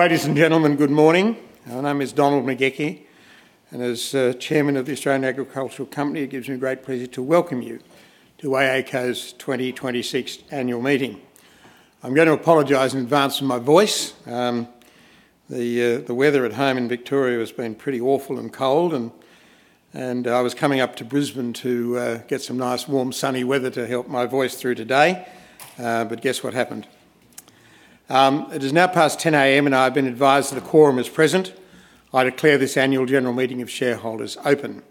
Ladies and gentlemen, good morning. My name is Donald McGauchie, Chairman of the Australian Agricultural Company. It gives me great pleasure to welcome you to AACo's 2026 annual meeting. I'm going to apologize in advance for my voice. The weather at home in Victoria has been pretty awful and cold. I was coming up to Brisbane to get some nice warm, sunny weather to help my voice through today, but guess what happened? It is now past 10:00 A.M. I have been advised that a quorum is present. I declare this annual general meeting of shareholders open.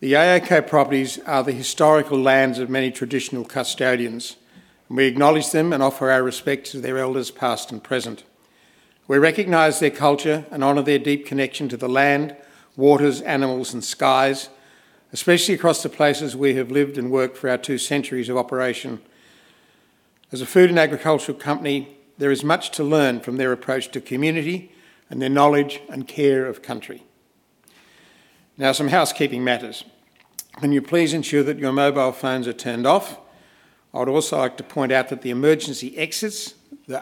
The AACo properties are the historical lands of many traditional custodians. We acknowledge them and offer our respects to their elders, past and present. We recognize their culture and honor their deep connection to the land, waters, animals, and skies, especially across the places we have lived and worked for our two centuries of operation. As a food and agricultural company, there is much to learn from their approach to community and their knowledge and care of country. Now, some housekeeping matters. Can you please ensure that your mobile phones are turned off? I would also like to point out that the emergency exits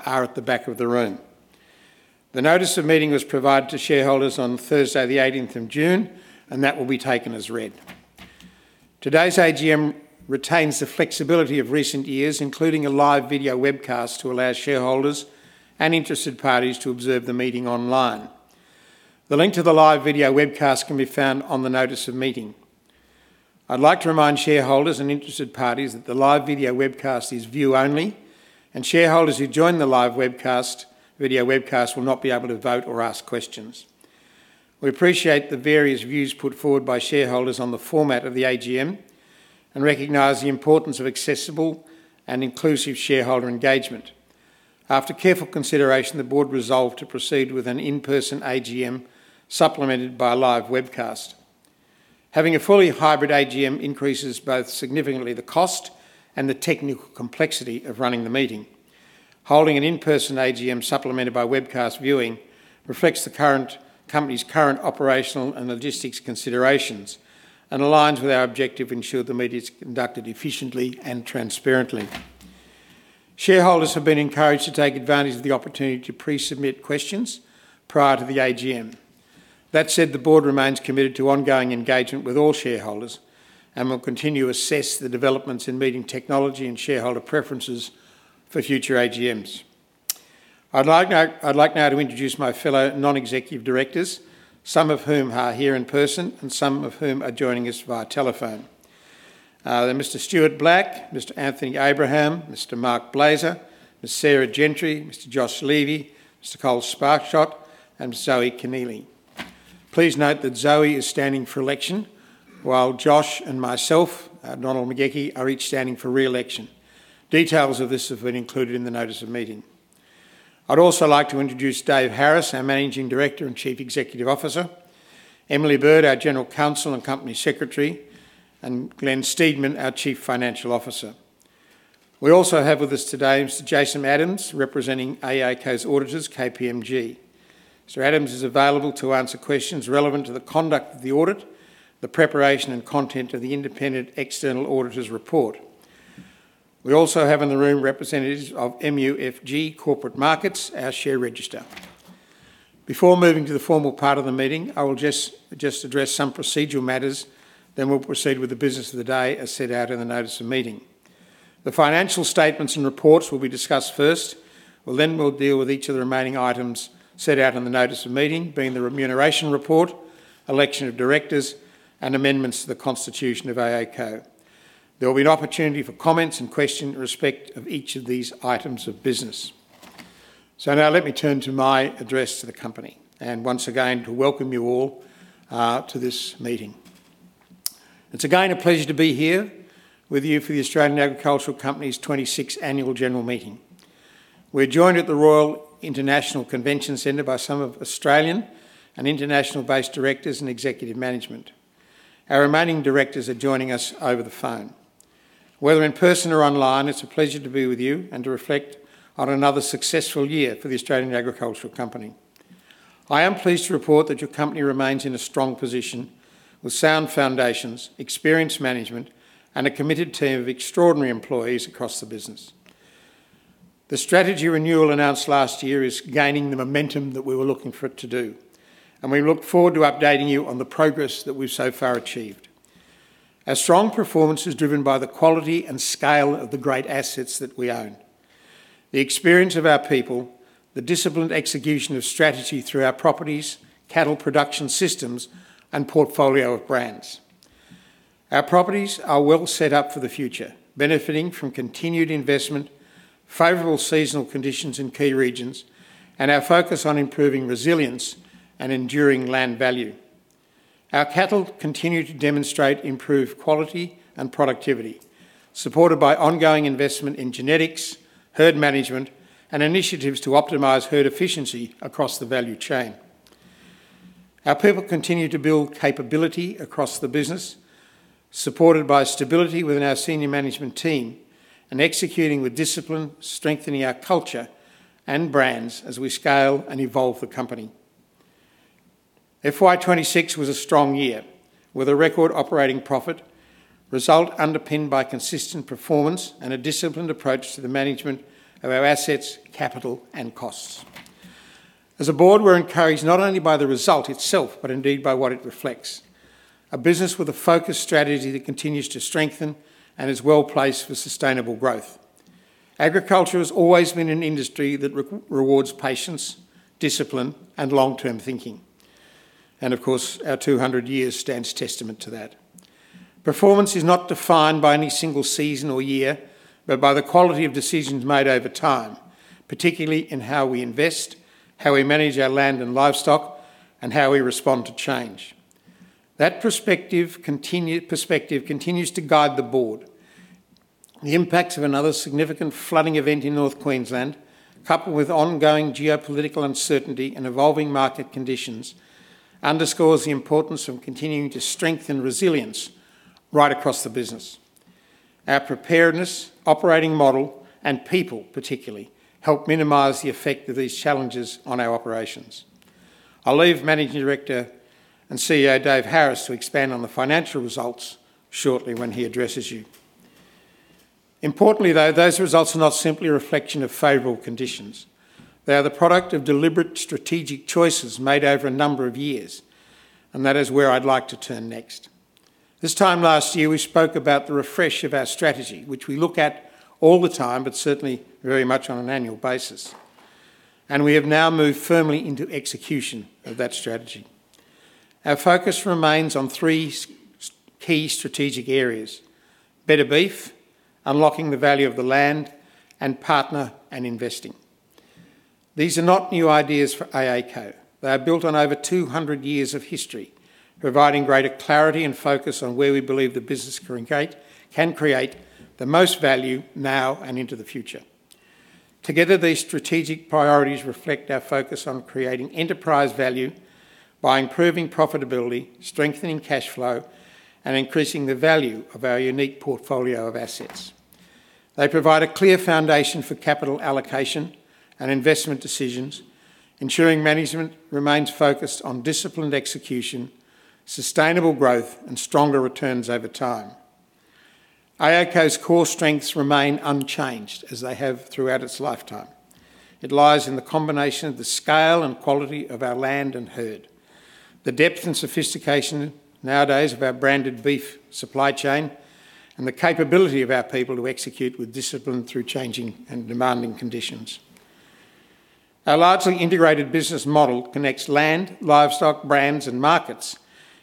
are at the back of the room. The Notice of Meeting was provided to shareholders on Thursday, the 18th of June. That will be taken as read. Today's AGM retains the flexibility of recent years, including a live video webcast to allow shareholders and interested parties to observe the meeting online. The link to the live video webcast can be found on the Notice of Meeting. I'd like to remind shareholders and interested parties that the live video webcast is view only. Shareholders who join the live video webcast will not be able to vote or ask questions. We appreciate the various views put forward by shareholders on the format of the AGM and recognize the importance of accessible and inclusive shareholder engagement. After careful consideration, the board resolved to proceed with an in-person AGM supplemented by a live webcast. Having a fully-hybrid AGM increases both significantly the cost and the technical complexity of running the meeting. Holding an in-person AGM supplemented by webcast viewing reflects the company's current operational and logistics considerations and aligns with our objective to ensure the meeting's conducted efficiently and transparently. Shareholders have been encouraged to take advantage of the opportunity to pre-submit questions prior to the AGM. That said, the board remains committed to ongoing engagement with all shareholders and will continue to assess the developments in meeting technology and shareholder preferences for future AGMs. I'd like now to introduce my fellow non-executive directors, some of whom are here in person. Some of whom are joining us via telephone. They're Mr. Stuart Black, Mr. Anthony Abraham, Mr. Marc Blazer, Ms. Sarah Gentry, Mr. Josh Levy, Ms. Nicole Sparshott, and Zoe Kenneally. Please note that Zoe is standing for election, while Josh and myself, Donald McGauchie, are each standing for re-election. Details of this have been included in the Notice of Meeting. I'd also like to introduce Dave Harris, our Managing Director and Chief Executive Officer, Emily Bird, our General Counsel and Company Secretary. Glen Steedman, our Chief Financial Officer. We also have with us today Mr. Jason Adams, representing AACo's auditors, KPMG. Mr. Adams is available to answer questions relevant to the conduct of the audit, the preparation and content of the independent external Auditor's Report. We also have in the room representatives of MUFG Corporate Markets, our share register. Before moving to the formal part of the meeting, I will just address some procedural matters, then we'll proceed with the business of the day as set out in the Notice of Meeting. The financial statements and reports will be discussed first. We'll then deal with each of the remaining items set out in the Notice of Meeting, being the Remuneration Report, election of directors, and amendments to the Constitution of AACo. There will be an opportunity for comments and questions in respect of each of these items of business. Now, let me turn to my address to the company, and once again, to welcome you all to this meeting. It's again a pleasure to be here with you for the Australian Agricultural Company's 26th Annual General Meeting. We're joined at the Royal International Convention Centre by some of Australian and international-based directors and executive management. Our remaining directors are joining us over the phone. Whether in person or online, it's a pleasure to be with you and to reflect on another successful year for the Australian Agricultural Company. I am pleased to report that our company remains in a strong position with sound foundations, experienced management, and a committed team of extraordinary employees across the business. The strategy renewal announced last year is gaining the momentum that we were looking for it to do, and we look forward to updating you on the progress that we've so far achieved. Our strong performance is driven by the quality and scale of the great assets that we own, the experience of our people, the disciplined execution of strategy through our properties, cattle production systems, and portfolio of brands. Our properties are well set up for the future, benefiting from continued investment, favorable seasonal conditions in key regions, and our focus on improving resilience and enduring land value. Our cattle continue to demonstrate improved quality and productivity, supported by ongoing investment in genetics, herd management, and initiatives to optimize herd efficiency across the value chain. Our people continue to build capability across the business, supported by stability within our senior management team and executing with discipline, strengthening our culture and brands as we scale and evolve the company. FY 2026 was a strong year, with a record operating profit result underpinned by consistent performance and a disciplined approach to the management of our assets, capital, and costs. As a board, we're encouraged not only by the result itself, but indeed by what it reflects. A business with a focused strategy that continues to strengthen and is well-placed for sustainable growth. Agriculture has always been an industry that rewards patience, discipline, and long-term thinking. Of course, our 200 years stands testament to that. Performance is not defined by any single season or year, but by the quality of decisions made over time, particularly in how we invest, how we manage our land and livestock, and how we respond to change. That perspective continues to guide the board. The impacts of another significant flooding event in North Queensland, coupled with ongoing geopolitical uncertainty and evolving market conditions, underscores the importance of continuing to strengthen resilience right across the business. Our preparedness, operating model, and people particularly, help minimize the effect of these challenges on our operations. I'll leave Managing Director and CEO Dave Harris to expand on the financial results shortly when he addresses you. Importantly, though, those results are not simply a reflection of favorable conditions. They are the product of deliberate strategic choices made over a number of years, and that is where I'd like to turn next. This time last year, we spoke about the refresh of our strategy, which we look at all the time, but certainly very much on an annual basis. We have now moved firmly into execution of that strategy. Our focus remains on three key strategic areas—Better Beef, Unlocking the Value of our Land, and partner and investing. These are not new ideas for AACo. They are built on over 200 years of history, providing greater clarity and focus on where we believe the business can create the most value now and into the future. Together, these strategic priorities reflect our focus on creating enterprise value by improving profitability, strengthening cash flow, and increasing the value of our unique portfolio of assets. They provide a clear foundation for capital allocation and investment decisions, ensuring management remains focused on disciplined execution, sustainable growth, and stronger returns over time. AACo's core strengths remain unchanged, as they have throughout its lifetime. It lies in the combination of the scale and quality of our land and herd, the depth and sophistication nowadays of our branded beef supply chain, and the capability of our people to execute with discipline through changing and demanding conditions. Our largely integrated business model connects land, livestock, brands, and markets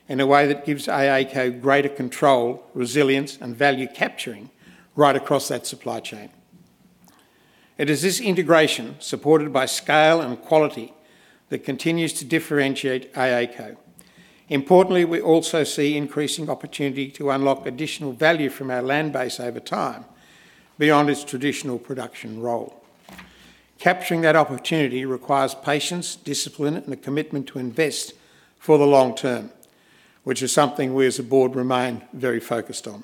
in a way that gives AACo greater control, resilience, and value capturing right across that supply chain. It is this integration, supported by scale and quality, that continues to differentiate AACo. Importantly, we also see increasing opportunity to unlock additional value from our land base over time, beyond its traditional production role. Capturing that opportunity requires patience, discipline, and a commitment to invest for the long term, which is something we as a board remain very focused on.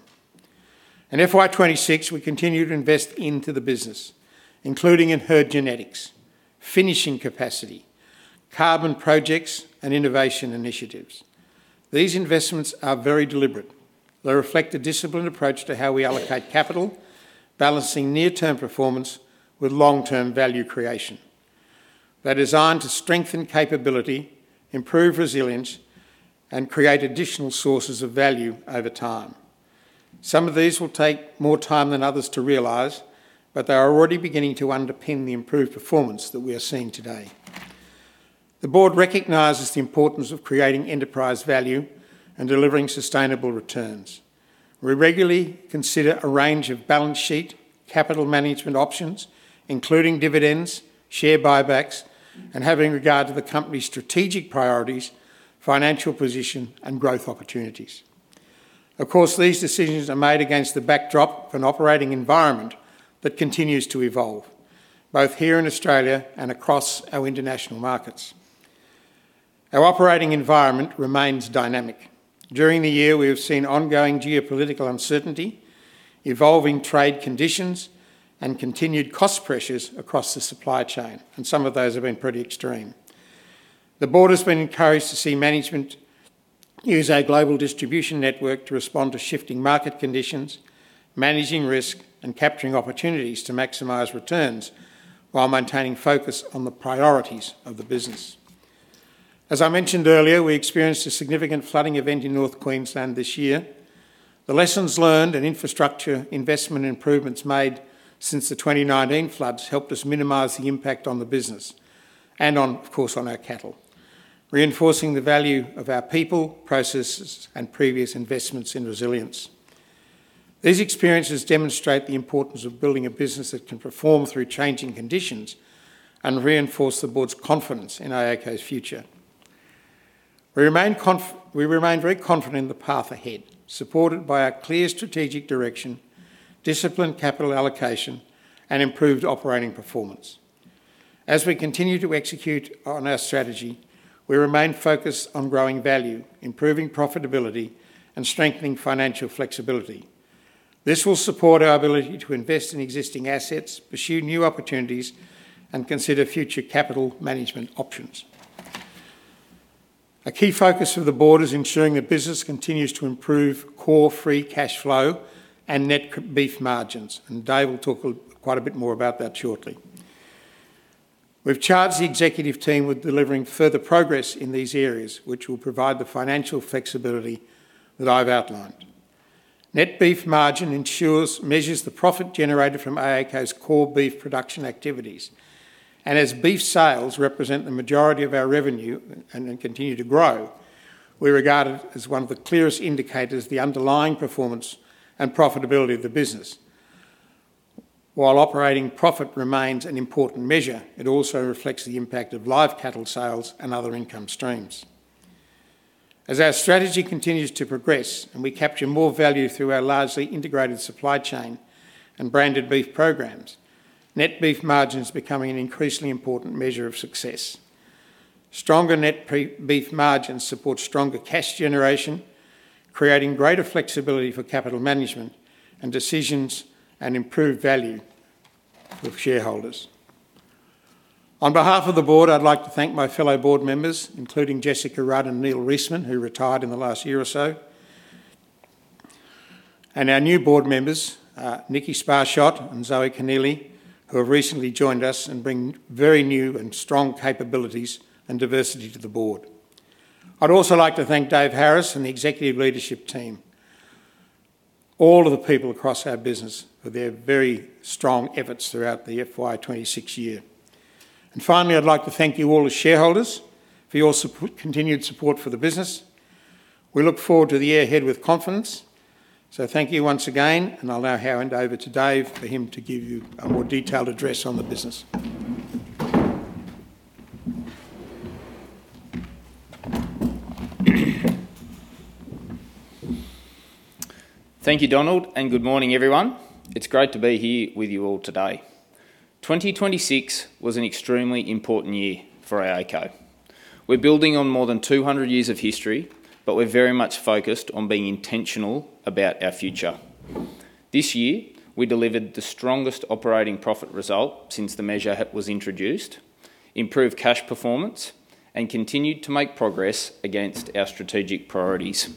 In FY 2026, we continued to invest into the business, including in herd genetics, finishing capacity, carbon projects, and innovation initiatives. These investments are very deliberate. They reflect a disciplined approach to how we allocate capital, balancing near-term performance with long-term value creation. They're designed to strengthen capability, improve resilience, and create additional sources of value over time. Some of these will take more time than others to realize, but they are already beginning to underpin the improved performance that we are seeing today. The board recognizes the importance of creating enterprise value and delivering sustainable returns. We regularly consider a range of balance sheet capital management options, including dividends, share buybacks, and having regard to the company's strategic priorities, financial position, and growth opportunities. Of course, these decisions are made against the backdrop of an operating environment that continues to evolve, both here in Australia and across our international markets. Our operating environment remains dynamic. During the year, we have seen ongoing geopolitical uncertainty, evolving trade conditions, and continued cost pressures across the supply chain, and some of those have been pretty extreme. The board has been encouraged to see management use our global distribution network to respond to shifting market conditions, managing risk, and capturing opportunities to maximize returns while maintaining focus on the priorities of the business. As I mentioned earlier, we experienced a significant flooding event in North Queensland this year. The lessons learned and infrastructure investment improvements made since the 2019 floods helped us minimize the impact on the business and, of course, on our cattle, reinforcing the value of our people, processes, and previous investments in resilience. These experiences demonstrate the importance of building a business that can perform through changing conditions and reinforce the board's confidence in AACo's future. We remain very confident in the path ahead, supported by our clear strategic direction, disciplined capital allocation, and improved operating performance. As we continue to execute on our strategy, we remain focused on growing value, improving profitability, and strengthening financial flexibility. This will support our ability to invest in existing assets, pursue new opportunities, and consider future capital management options. A key focus of the board is ensuring the business continues to improve core free cash flow and net beef margins, and Dave will talk quite a bit more about that shortly. We've charged the executive team with delivering further progress in these areas, which will provide the financial flexibility that I've outlined. Net beef margin measures the profit generated from AACo's core beef production activities, and as beef sales represent the majority of our revenue and continue to grow, we regard it as one of the clearest indicators of the underlying performance and profitability of the business. While operating profit remains an important measure, it also reflects the impact of live cattle sales and other income streams. As our strategy continues to progress and we capture more value through our largely integrated supply chain and branded beef programs, net beef margin is becoming an increasingly important measure of success. Stronger net beef margins support stronger cash generation, creating greater flexibility for capital management and decisions, and improved value for shareholders. On behalf of the board, I'd like to thank my fellow board members, including Jessica Rudd and Neil Reisman, who retired in the last year or so, and our new board members, Nikki Sparshott and Zoe Kenneally, who have recently joined us and bring very new and strong capabilities and diversity to the board. I'd also like to thank Dave Harris and the executive leadership team, all of the people across our business, for their very strong efforts throughout the FY 2026 year. Finally, I'd like to thank you all as shareholders for your continued support for the business. We look forward to the year ahead with confidence. Thank you once again, and I'll now hand over to Dave for him to give you a more detailed address on the business. Thank you, Donald, and good morning, everyone. It's great to be here with you all today. 2026 was an extremely important year for AACo. We're building on more than 200 years of history, but we're very much focused on being intentional about our future. This year, we delivered the strongest operating profit result since the measure was introduced, improved cash performance, and continued to make progress against our strategic priorities.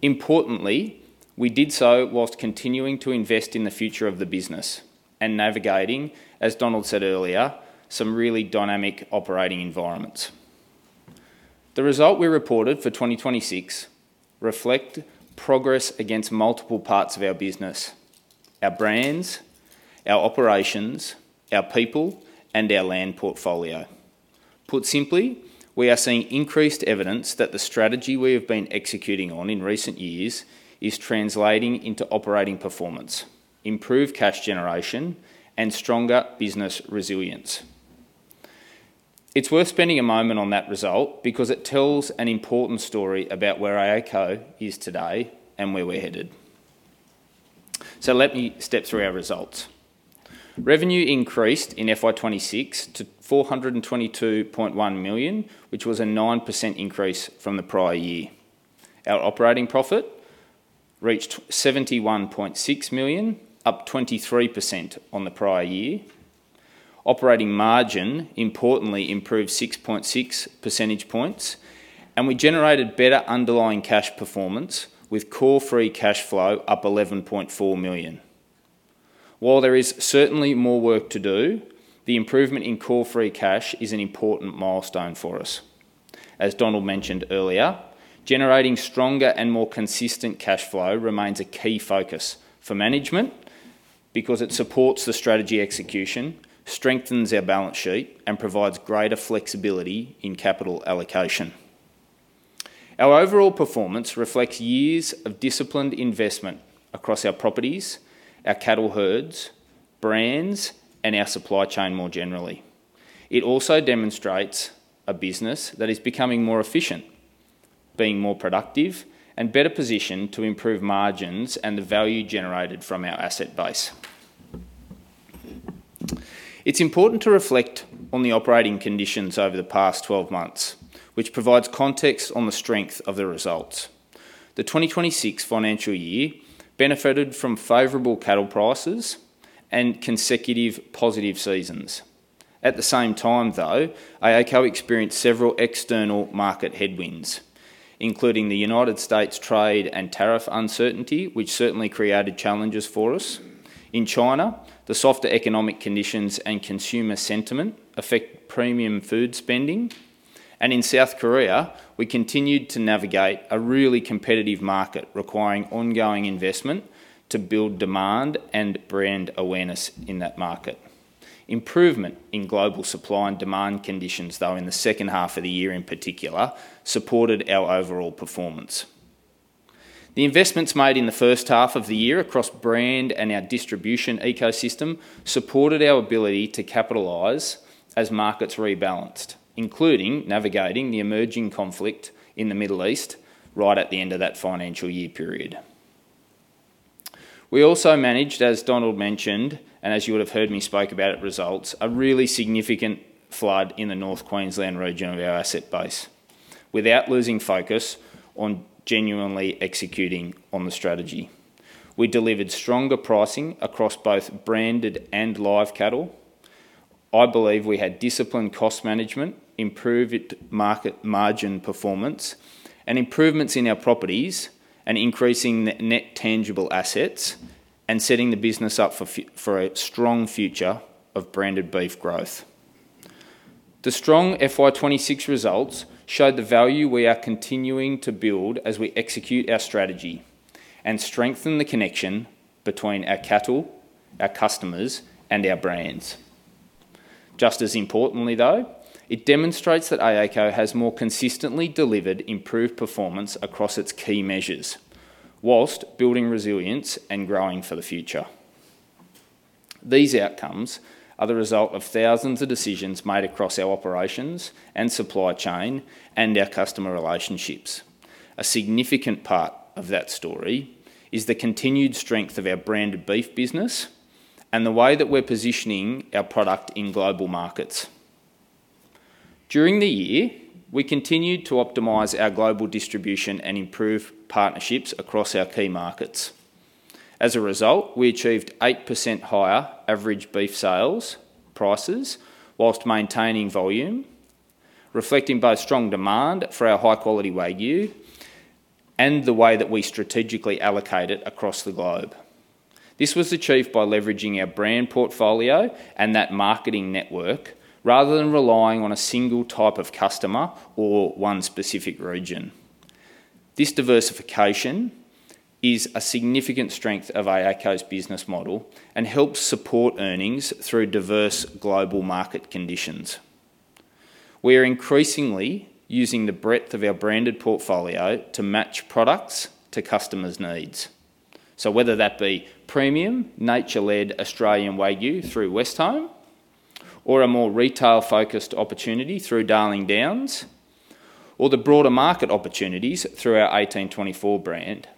Importantly, we did so whilst continuing to invest in the future of the business and navigating, as Donald said earlier, some really dynamic operating environments. The result we reported for 2026 reflect progress against multiple parts of our business, our brands, our operations, our people, and our land portfolio. Put simply, we are seeing increased evidence that the strategy we have been executing on in recent years is translating into operating performance, improved cash generation, and stronger business resilience. It's worth spending a moment on that result because it tells an important story about where AACo is today and where we're headed. Let me step through our results. Revenue increased in FY 2026 to $422.1 million, which was a 9% increase from the prior year. Our operating profit reached $71.6 million, up 23% on the prior year. Operating margin importantly improved 6.6 percentage points, and we generated better underlying cash performance with core free cash flow up $11.4 million. While there is certainly more work to do, the improvement in core free cash is an important milestone for us. As Donald mentioned earlier, generating stronger and more consistent cash flow remains a key focus for management because it supports the strategy execution, strengthens our balance sheet, and provides greater flexibility in capital allocation. Our overall performance reflects years of disciplined investment across our properties, our cattle herds, brands, and our supply chain more generally. It also demonstrates a business that is becoming more efficient, being more productive, and better positioned to improve margins and the value generated from our asset base. It's important to reflect on the operating conditions over the past 12 months, which provides context on the strength of the results. The 2026 financial year benefited from favorable cattle prices and consecutive positive seasons. At the same time, though, AACo experienced several external market headwinds, including the United States trade and tariff uncertainty, which certainly created challenges for us. In China, the softer economic conditions and consumer sentiment affect premium food spending, and in South Korea, we continued to navigate a really competitive market, requiring ongoing investment to build demand and brand awareness in that market. Improvement in global supply and demand conditions, though, in the second half of the year in particular, supported our overall performance. The investments made in the first half of the year across brand and our distribution ecosystem supported our ability to capitalize as markets rebalanced, including navigating the emerging conflict in the Middle East right at the end of that financial year period. We also managed, as Donald mentioned, and as you would've heard me spoke about at results, a really significant flood in the North Queensland region of our asset base, without losing focus on genuinely executing on the strategy. We delivered stronger pricing across both branded and live cattle. I believe we had disciplined cost management, improved market margin performance, and improvements in our properties, and increasing net tangible assets, and setting the business up for a strong future of branded beef growth. The strong FY 2026 results showed the value we are continuing to build as we execute our strategy and strengthen the connection between our cattle, our customers, and our brands. Just as importantly, though, it demonstrates that AACo has more consistently delivered improved performance across its key measures whilst building resilience and growing for the future. These outcomes are the result of thousands of decisions made across our operations and supply chain and our customer relationships. A significant part of that story is the continued strength of our branded beef business and the way that we're positioning our product in global markets. During the year, we continued to optimize our global distribution and improve partnerships across our key markets. As a result, we achieved 8% higher average beef sales prices whilst maintaining volume, reflecting both strong demand for our high-quality Wagyu and the way that we strategically allocate it across the globe. This was achieved by leveraging our brand portfolio and that marketing network rather than relying on a single type of customer or one specific region. This diversification is a significant strength of AACo's business model and helps support earnings through diverse global market conditions. We are increasingly using the breadth of our branded portfolio to match products to customers' needs. Whether that be premium, nature-led Australian Wagyu through Westholme, or a more retail-focused opportunity through Darling Downs, or the broader market opportunities through our 1824 brand.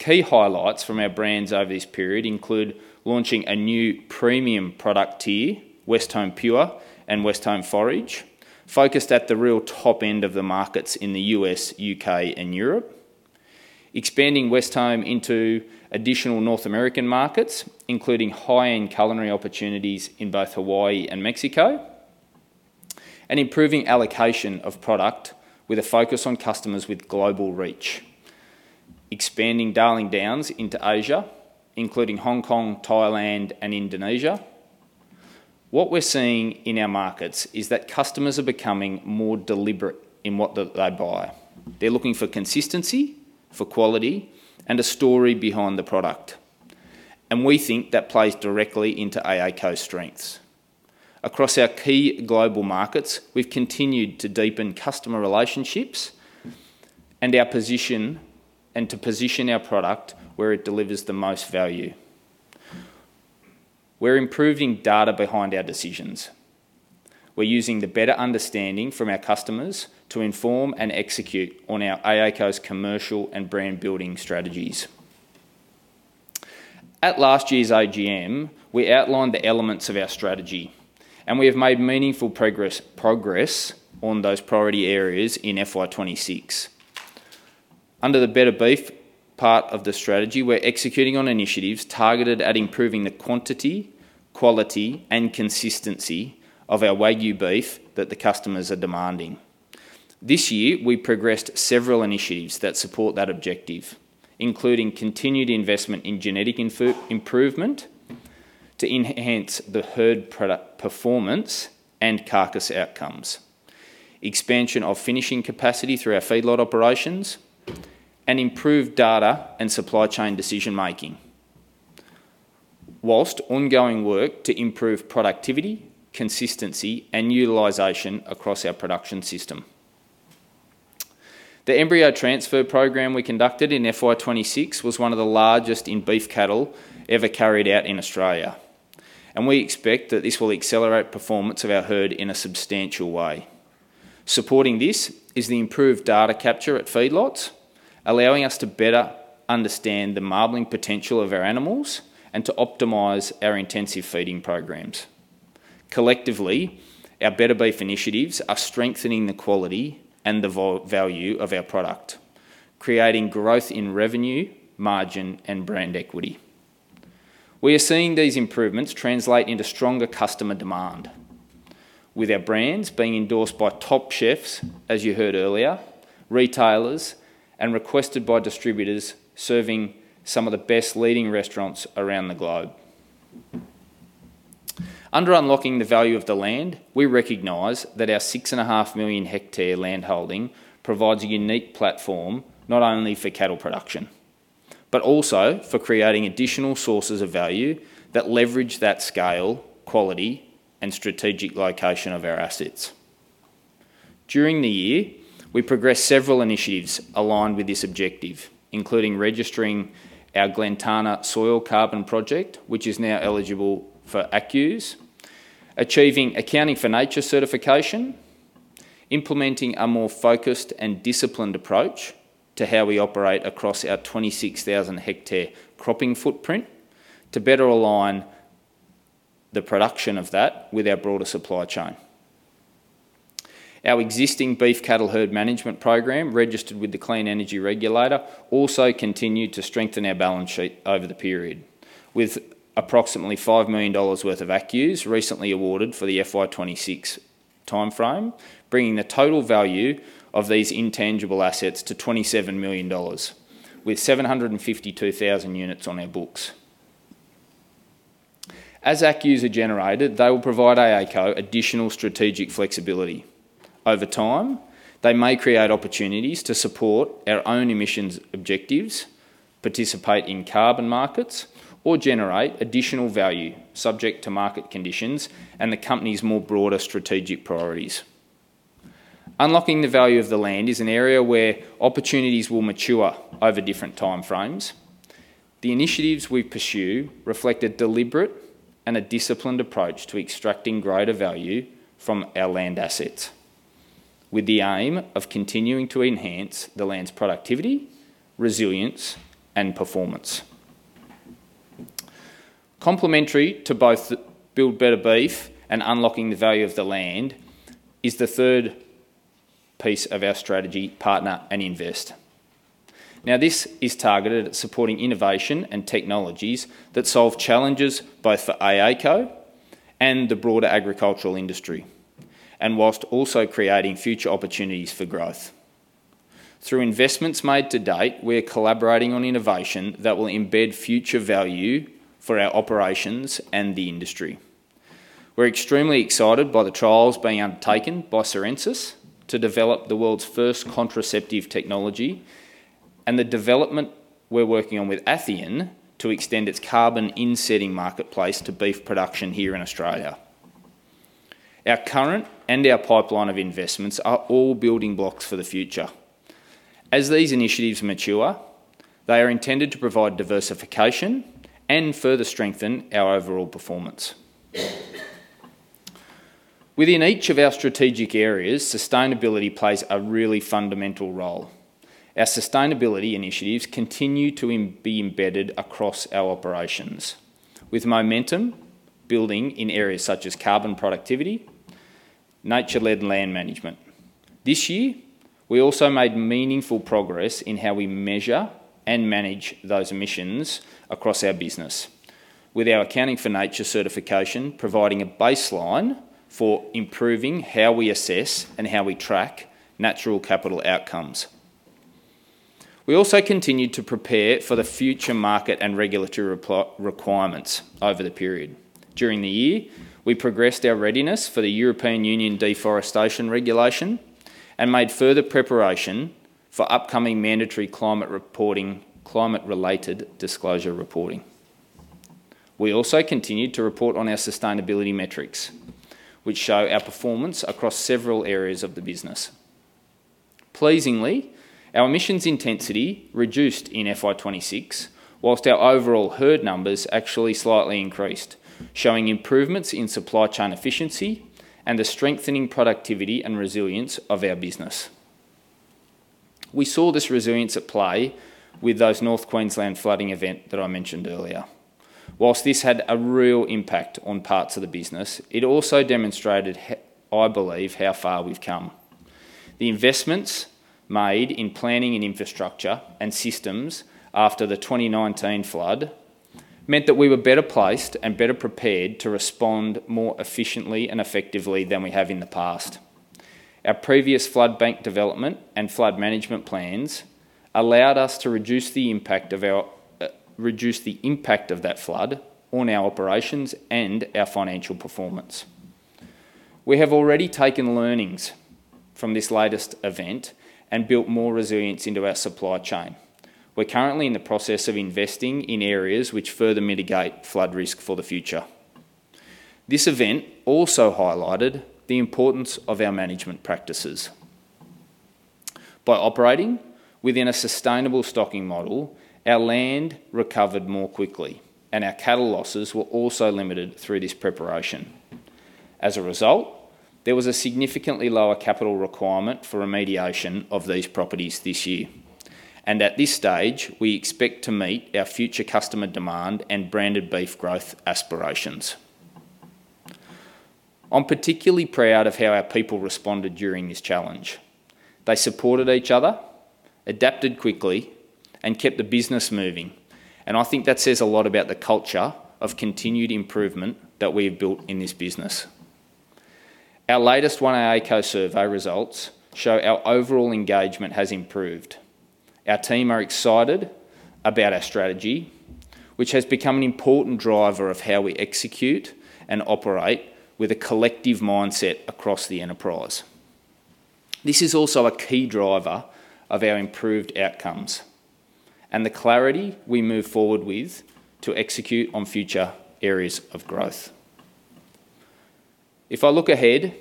Key highlights from our brands over this period include launching a new premium product tier—Westholme Pure and Westholme Forage, focused at the real top end of the markets in the U.S., U.K., and Europe—expanding Westholme into additional North American markets—including high-end culinary opportunities in both Hawaii and Mexico—and improving allocation of product with a focus on customers with global reach, expanding Darling Downs into Asia—including Hong Kong, Thailand, and Indonesia. What we're seeing in our markets is that customers are becoming more deliberate in what they buy. They're looking for consistency, for quality, and a story behind the product. We think that plays directly into AACo's strengths. Across our key global markets, we've continued to deepen customer relationships and to position our product where it delivers the most value. We're improving data behind our decisions. We're using the better understanding from our customers to inform and execute on our AACo's commercial and brand-building strategies. At last year's AGM, we outlined the elements of our strategy, and we have made meaningful progress on those priority areas in FY 2026. Under the Better Beef part of the strategy, we're executing on initiatives targeted at improving the quantity, quality, and consistency of our Wagyu beef that the customers are demanding. This year, we progressed several initiatives that support that objective, including continued investment in genetic improvement to enhance the herd performance and carcass outcomes, expansion of finishing capacity through our feedlot operations, and improved data and supply chain decision-making, whilst ongoing work to improve productivity, consistency, and utilization across our production system. The embryo transfer program we conducted in FY 2026 was one of the largest in beef cattle ever carried out in Australia, and we expect that this will accelerate performance of our herd in a substantial way. Supporting this is the improved data capture at feedlots, allowing us to better understand the marbling potential of our animals and to optimize our intensive feeding programs. Collectively, our Better Beef initiatives are strengthening the quality and the value of our product, creating growth in revenue, margin, and brand equity. We are seeing these improvements translate into stronger customer demand, with our brands being endorsed by top chefs, as you heard earlier, retailers, and requested by distributors serving some of the best leading restaurants around the globe. Under Unlocking the Value of our Land, we recognize that our 6.5 million hectare land holding provides a unique platform, not only for cattle production, but also for creating additional sources of value that leverage that scale, quality, and strategic location of our assets. During the year, we progressed several initiatives aligned with this objective, including registering our Glentana soil carbon project, which is now eligible for ACCUs, achieving Accounting for Nature certification, implementing a more focused and disciplined approach to how we operate across our 26,000-ha cropping footprint to better align the production of that with our broader supply chain. Our existing beef cattle herd management program, registered with the Clean Energy Regulator, also continued to strengthen our balance sheet over the period, with approximately $5 million worth of ACCUs recently awarded for the FY 2026 timeframe, bringing the total value of these intangible assets to $27 million, with 752,000 units on our books. As ACCUs are generated, they will provide AACo additional strategic flexibility. Over time, they may create opportunities to support our own emissions objectives, participate in carbon markets, or generate additional value subject to market conditions and the company's more broader strategic priorities. Unlocking the Value of our Land is an area where opportunities will mature over different timeframes. The initiatives we pursue reflect a deliberate and a disciplined approach to extracting greater value from our land assets, with the aim of continuing to enhance the land's productivity, resilience, and performance. Complementary to both Build Better Beef and Unlocking the Value of our Land is the third piece of our strategy, Partner and Invest. This is targeted at supporting innovation and technologies that solve challenges both for AACo and the broader agricultural industry, and whilst also creating future opportunities for growth. Through investments made to date, we are collaborating on innovation that will embed future value for our operations and the industry. We're extremely excited by the trials being undertaken by Sorensis to develop the world's first contraceptive technology, and the development we're working on with Athian to extend its carbon insetting marketplace to beef production here in Australia. Our current and our pipeline of investments are all building blocks for the future. As these initiatives mature, they are intended to provide diversification and further strengthen our overall performance. Within each of our strategic areas, sustainability plays a really fundamental role. Our sustainability initiatives continue to be embedded across our operations, with momentum building in areas such as carbon productivity, nature-led land management. This year, we also made meaningful progress in how we measure and manage those emissions across our business, with our Accounting for Nature certification providing a baseline for improving how we assess and how we track natural capital outcomes. We also continued to prepare for the future market and regulatory requirements over the period. During the year, we progressed our readiness for the European Union Deforestation Regulation and made further preparation for upcoming mandatory climate-related disclosure reporting. We also continued to report on our sustainability metrics, which show our performance across several areas of the business. Pleasingly, our emissions intensity reduced in FY 2026, whilst our overall herd numbers actually slightly increased, showing improvements in supply chain efficiency and the strengthening productivity and resilience of our business. We saw this resilience at play with those North Queensland flooding event that I mentioned earlier. Whilst this had a real impact on parts of the business, it also demonstrated, I believe, how far we've come. The investments made in planning and infrastructure and systems after the 2019 flood meant that we were better placed and better prepared to respond more efficiently and effectively than we have in the past. Our previous flood bank development and flood management plans allowed us to reduce the impact of that flood on our operations and our financial performance. We have already taken learnings from this latest event and built more resilience into our supply chain. We're currently in the process of investing in areas which further mitigate flood risk for the future. This event also highlighted the importance of our management practices. By operating within a sustainable stocking model, our land recovered more quickly, and our cattle losses were also limited through this preparation. As a result, there was a significantly lower capital requirement for remediation of these properties this year. At this stage, we expect to meet our future customer demand and branded beef growth aspirations. I'm particularly proud of how our people responded during this challenge. They supported each other, adapted quickly, and kept the business moving. I think that says a lot about the culture of continued improvement that we have built in this business. Our latest One AACo survey results show our overall engagement has improved. Our team are excited about our strategy, which has become an important driver of how we execute and operate with a collective mindset across the enterprise. This is also a key driver of our improved outcomes and the clarity we move forward with to execute on future areas of growth. If I look ahead,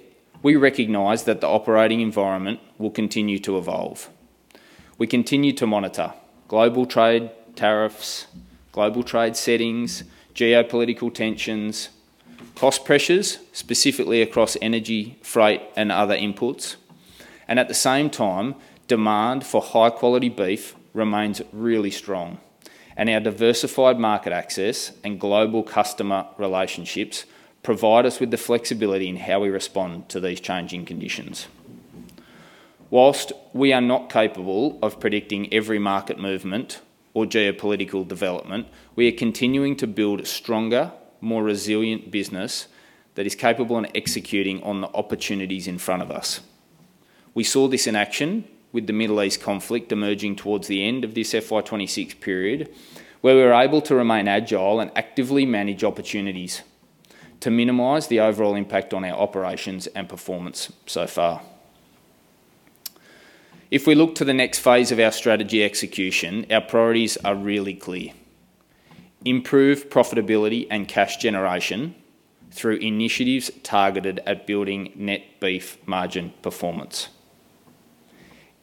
we recognize that the operating environment will continue to evolve. We continue to monitor global trade tariffs, global trade settings, geopolitical tensions, cost pressures, specifically across energy, freight, and other inputs. At the same time, demand for high-quality beef remains really strong. Our diversified market access and global customer relationships provide us with the flexibility in how we respond to these changing conditions. Whilst we are not capable of predicting every market movement or geopolitical development, we are continuing to build a stronger, more resilient business that is capable in executing on the opportunities in front of us. We saw this in action with the Middle East conflict emerging towards the end of this FY 2026 period, where we were able to remain agile and actively manage opportunities to minimize the overall impact on our operations and performance so far. If we look to the next phase of our strategy execution, our priorities are really clear. Improve profitability and cash generation through initiatives targeted at building net beef margin performance.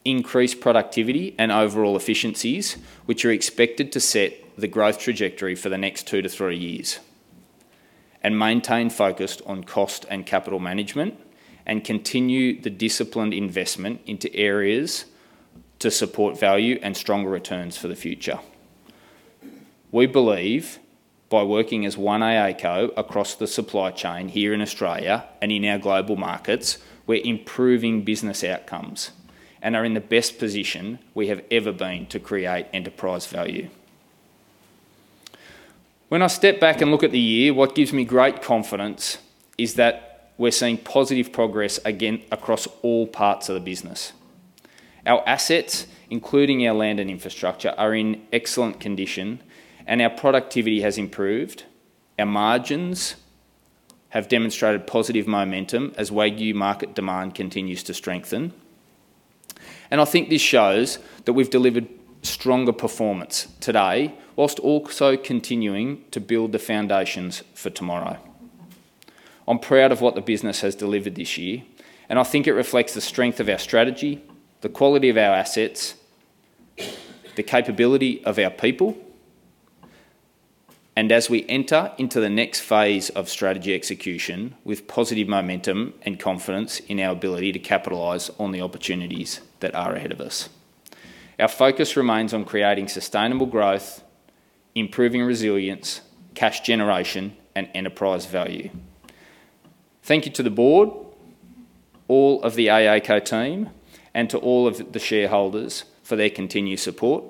Increase productivity and overall efficiencies, which are expected to set the growth trajectory for the next two to three years. Maintain focus on cost and capital management, and continue the disciplined investment into areas to support value and stronger returns for the future. We believe by working as One AACo across the supply chain here in Australia and in our global markets, we're improving business outcomes and are in the best position we have ever been to create enterprise value. When I step back and look at the year, what gives me great confidence is that we're seeing positive progress, again, across all parts of the business. Our assets, including our land and infrastructure, are in excellent condition, and our productivity has improved. Our margins have demonstrated positive momentum as Wagyu market demand continues to strengthen. I think this shows that we've delivered stronger performance today, whilst also continuing to build the foundations for tomorrow. I'm proud of what the business has delivered this year, and I think it reflects the strength of our strategy, the quality of our assets, the capability of our people, and as we enter into the next phase of strategy execution with positive momentum and confidence in our ability to capitalize on the opportunities that are ahead of us. Our focus remains on creating sustainable growth, improving resilience, cash generation, and enterprise value. Thank you to the board, all of the AACo team, and to all of the shareholders for their continued support.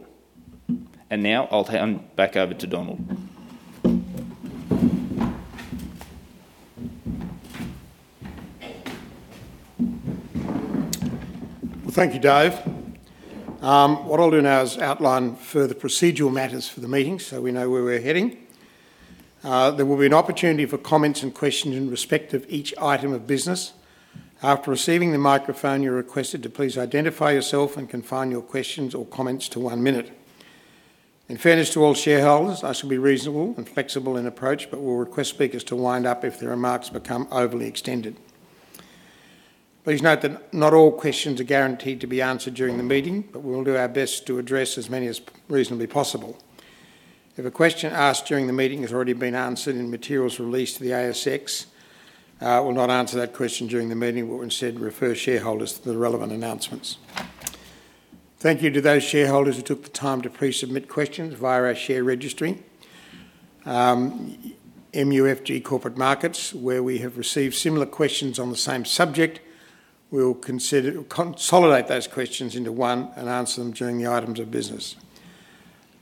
Now, I'll hand back over to Donald. Well, thank you, Dave. What I'll do now is outline further procedural matters for the meeting so we know where we're heading. There will be an opportunity for comments and questions in respect of each item of business. After receiving the microphone, you're requested to please identify yourself and confine your questions or comments to one minute. In fairness to all shareholders, I shall be reasonable and flexible in approach, but will request speakers to wind up if their remarks become overly extended. Please note that not all questions are guaranteed to be answered during the meeting, but we will do our best to address as many as reasonably possible. If a question asked during the meeting has already been answered in materials released to the ASX, I will not answer that question during the meeting, we'll instead refer shareholders to the relevant announcements. Thank you to those shareholders who took the time to pre-submit questions via our share registry, MUFG Corporate Markets, where we have received similar questions on the same subject, we will consolidate those questions into one and answer them during the items of business.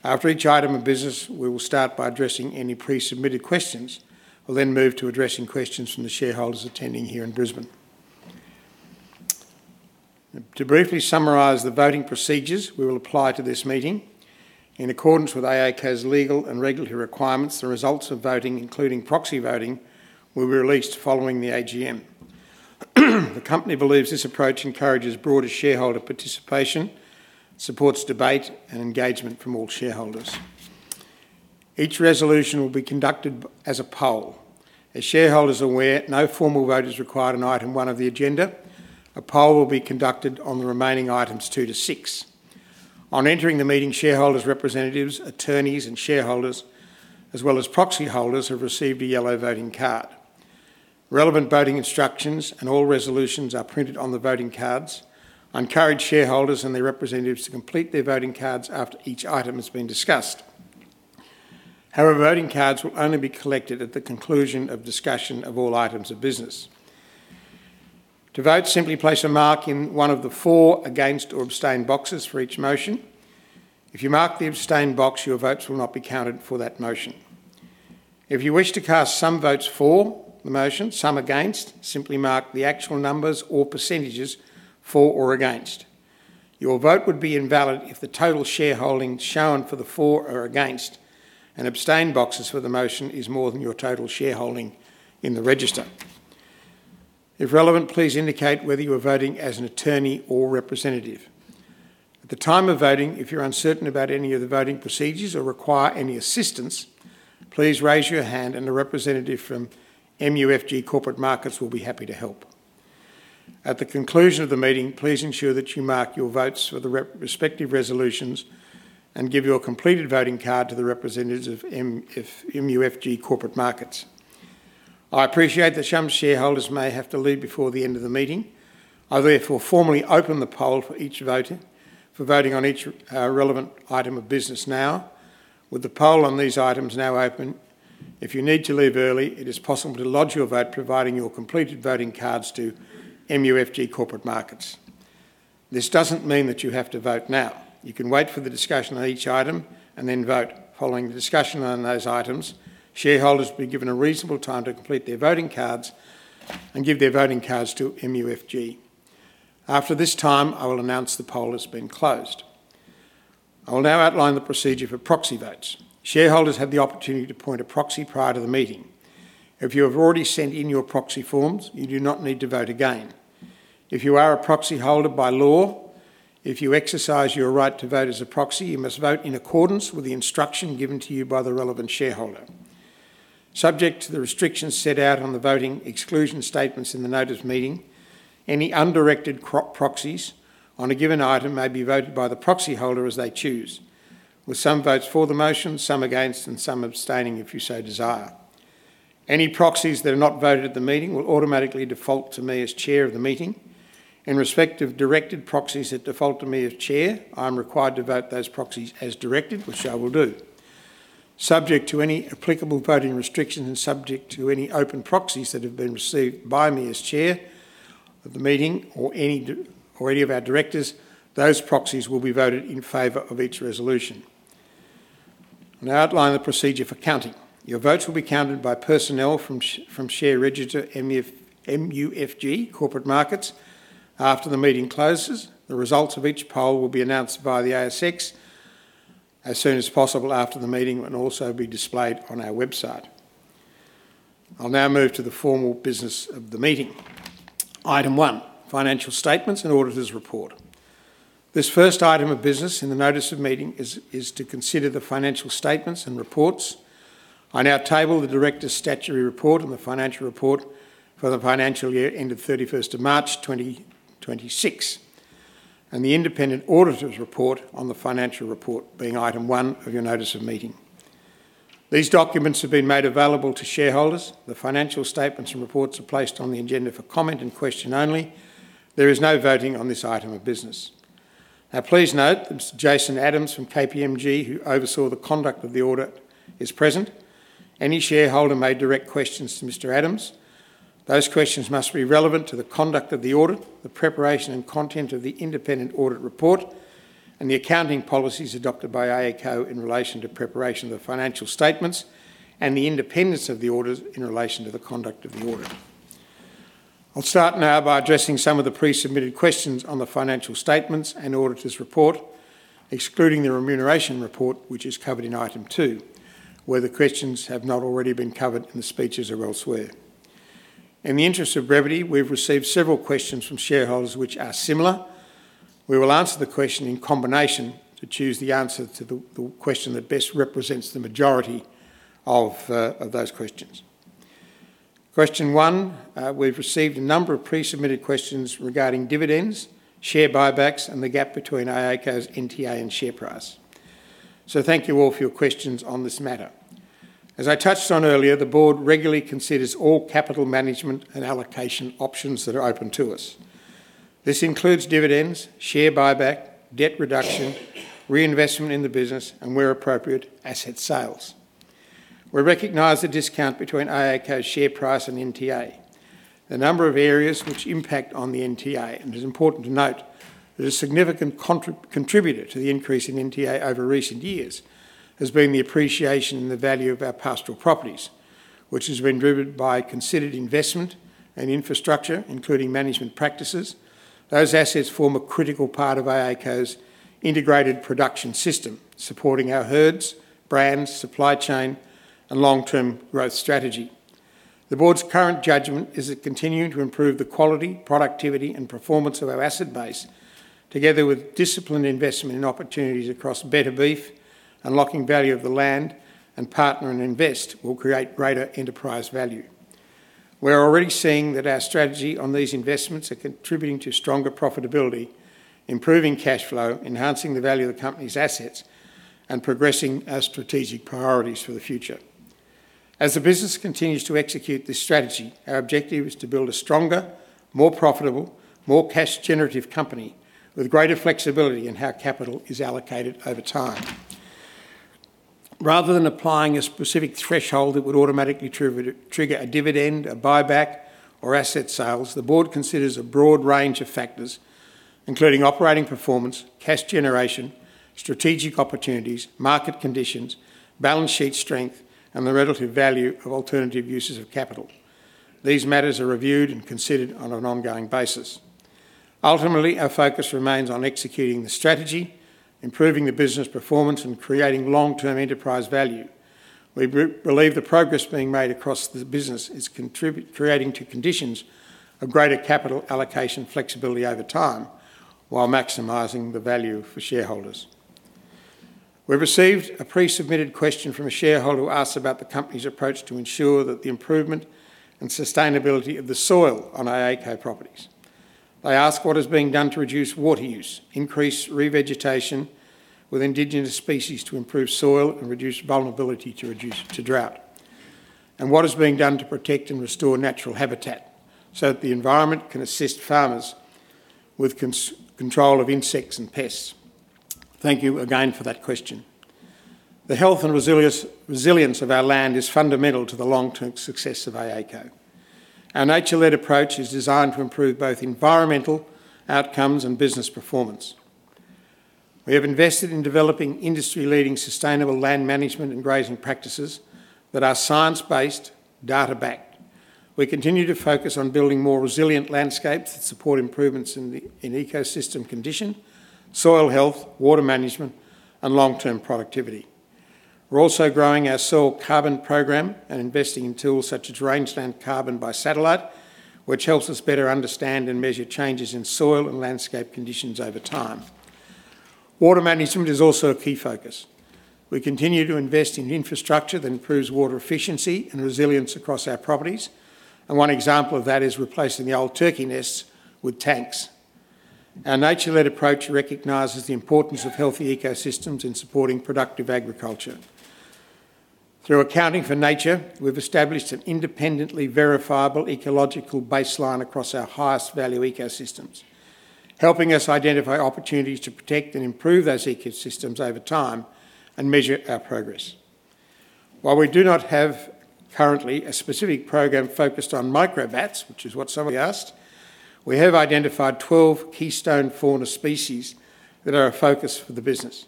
After each item of business, we will start by addressing any pre-submitted questions. We will then move to addressing questions from the shareholders attending here in Brisbane. To briefly summarize the voting procedures we will apply to this meeting, in accordance with AACo's legal and regulatory requirements, the results of voting, including proxy voting, will be released following the AGM. The company believes this approach encourages broader shareholder participation, supports debate, and engagement from all shareholders. Each resolution will be conducted as a poll. As shareholders are aware, no formal vote is required on item one of the agenda. A poll will be conducted on the remaining items, two to six. On entering the meeting, shareholders' representatives, attorneys and shareholders, as well as proxy holders, have received a yellow voting card. Relevant voting instructions and all resolutions are printed on the voting cards. I encourage shareholders and their representatives to complete their voting cards after each item has been discussed. However, voting cards will only be collected at the conclusion of discussion of all items of business. To vote, simply place a mark in one of the four against or abstain boxes for each motion. If you mark the abstain box, your votes will not be counted for that motion. If you wish to cast some votes for the motion, some against, simply mark the actual numbers or percentages for or against. Your vote would be invalid if the total shareholding shown for the for or against and abstain boxes for the motion is more than your total shareholding in the register. If relevant, please indicate whether you are voting as an attorney or representative. At the time of voting, if you are uncertain about any of the voting procedures or require any assistance, please raise your hand and a representative from MUFG Corporate Markets will be happy to help. At the conclusion of the meeting, please ensure that you mark your votes for the respective resolutions and give your completed voting card to the representatives of MUFG Corporate Markets. I appreciate that some shareholders may have to leave before the end of the meeting. I therefore formally open the poll for voting on each relevant item of business now. With the poll on these items now open, if you need to leave early, it is possible to lodge your vote, providing your completed voting cards to MUFG Corporate Markets. This does not mean that you have to vote now. You can wait for the discussion on each item and then vote following the discussion on those items. Shareholders will be given a reasonable time to complete their voting cards and give their voting cards to MUFG. After this time, I will announce the poll has been closed. I will now outline the procedure for proxy votes. Shareholders had the opportunity to appoint a proxy prior to the meeting. If you have already sent in your proxy forms, you do not need to vote again. If you are a proxyholder by law, if you exercise your right to vote as a proxy, you must vote in accordance with the instruction given to you by the relevant shareholder. Subject to the restrictions set out on the voting exclusion statements in the Notice of Meeting, any undirected proxies on a given item may be voted by the proxy holder as they choose, with some votes for the motion, some against, and some abstaining, if you so desire. Any proxies that are not voted at the meeting will automatically default to me as Chair of the meeting. In respect of directed proxies that default to me as Chair, I am required to vote those proxies as directed, which I will do. Subject to any applicable voting restrictions and subject to any open proxies that have been received by me as Chair of the meeting or any of our directors, those proxies will be voted in favor of each resolution. I'll now outline the procedure for counting. Your votes will be counted by personnel from share register MUFG Corporate Markets. After the meeting closes, the results of each poll will be announced by the ASX as soon as possible after the meeting and will also be displayed on our website. I'll now move to the formal business of the meeting. Item one, financial statements and Auditor's Report. This first item of business in the Notice of Meeting is to consider the financial statements and reports. I now table the directors' statutory report and the financial report for the financial year ended 31st of March 2026, and the independent Auditors' Report on the financial report being item one of your Notice of Meeting. These documents have been made available to shareholders. The financial statements and reports are placed on the agenda for comment and question only. There is no voting on this item of business. Please note that Jason Adams from KPMG, who oversaw the conduct of the audit, is present. Any shareholder may direct questions to Mr. Adams. Those questions must be relevant to the conduct of the audit, the preparation and content of the independent audit report, and the accounting policies adopted by AACo in relation to preparation of the financial statements and the independence of the auditors in relation to the conduct of the audit. I'll start now by addressing some of the pre-submitted questions on the financial statements and Auditors' Report, excluding the Remuneration Report, which is covered in item two, where the questions have not already been covered in the speeches or elsewhere. In the interest of brevity, we've received several questions from shareholders which are similar. We will answer the question in combination to choose the answer to the question that best represents the majority of those questions. Question one, we've received a number of pre-submitted questions regarding dividends, share buybacks, and the gap between AACo's NTA and share price. Thank you all for your questions on this matter. As I touched on earlier, the board regularly considers all capital management and allocation options that are open to us. This includes dividends, share buyback, debt reduction, reinvestment in the business, and where appropriate, asset sales. We recognize the discount between AACo's share price and NTA. There are a number of areas which impact on the NTA, and it is important to note that a significant contributor to the increase in NTA over recent years has been the appreciation in the value of our pastoral properties, which has been driven by considered investment and infrastructure, including management practices. Those assets form a critical part of AACo's integrated production system, supporting our herds, brands, supply chain, and long-term growth strategy. The board's current judgment is that continuing to improve the quality, productivity, and performance of our asset base—together with disciplined investment in opportunities across Better Beef, unlocking value of the land, and partner and invest—will create greater enterprise value. We are already seeing that our strategy on these investments are contributing to stronger profitability, improving cash flow, enhancing the value of the company's assets, and progressing our strategic priorities for the future. As the business continues to execute this strategy, our objective is to build a stronger, more profitable, more cash-generative company with greater flexibility in how capital is allocated over time. Rather than applying a specific threshold that would automatically trigger a dividend, a buyback, or asset sales, the board considers a broad range of factors, including operating performance, cash generation, strategic opportunities, market conditions, balance sheet strength, and the relative value of alternative uses of capital. These matters are reviewed and considered on an ongoing basis. Ultimately, our focus remains on executing the strategy, improving the business performance, and creating long-term enterprise value. We believe the progress being made across the business is creating conditions of greater capital allocation flexibility over time while maximizing the value for shareholders. We've received a pre-submitted question from a shareholder who asks about the company's approach to ensure that the improvement and sustainability of the soil on AACo properties. They ask what is being done to reduce water use, increase revegetation with indigenous species to improve soil and reduce vulnerability to drought. What is being done to protect and restore natural habitat so that the environment can assist farmers with control of insects and pests? Thank you again for that question. The health and resilience of our land is fundamental to the long-term success of AACo. Our nature-led approach is designed to improve both environmental outcomes and business performance. We have invested in developing industry-leading sustainable land management and grazing practices that are science-based, data-backed. We continue to focus on building more resilient landscapes that support improvements in ecosystem condition, soil health, water management, and long-term productivity. We're also growing our soil carbon program and investing in tools such as Rangelands Carbon by satellite, which helps us better understand and measure changes in soil and landscape conditions over time. Water management is also a key focus. We continue to invest in infrastructure that improves water efficiency and resilience across our properties, and one example of that is replacing the old turkey nests with tanks. Our nature-led approach recognizes the importance of healthy ecosystems in supporting productive agriculture. Through Accounting for Nature, we've established an independently verifiable ecological baseline across our highest value ecosystems, helping us identify opportunities to protect and improve those ecosystems over time and measure our progress. While we do not have currently a specific program focused on microbats, which is what somebody asked, we have identified 12 keystone fauna species that are a focus for the business.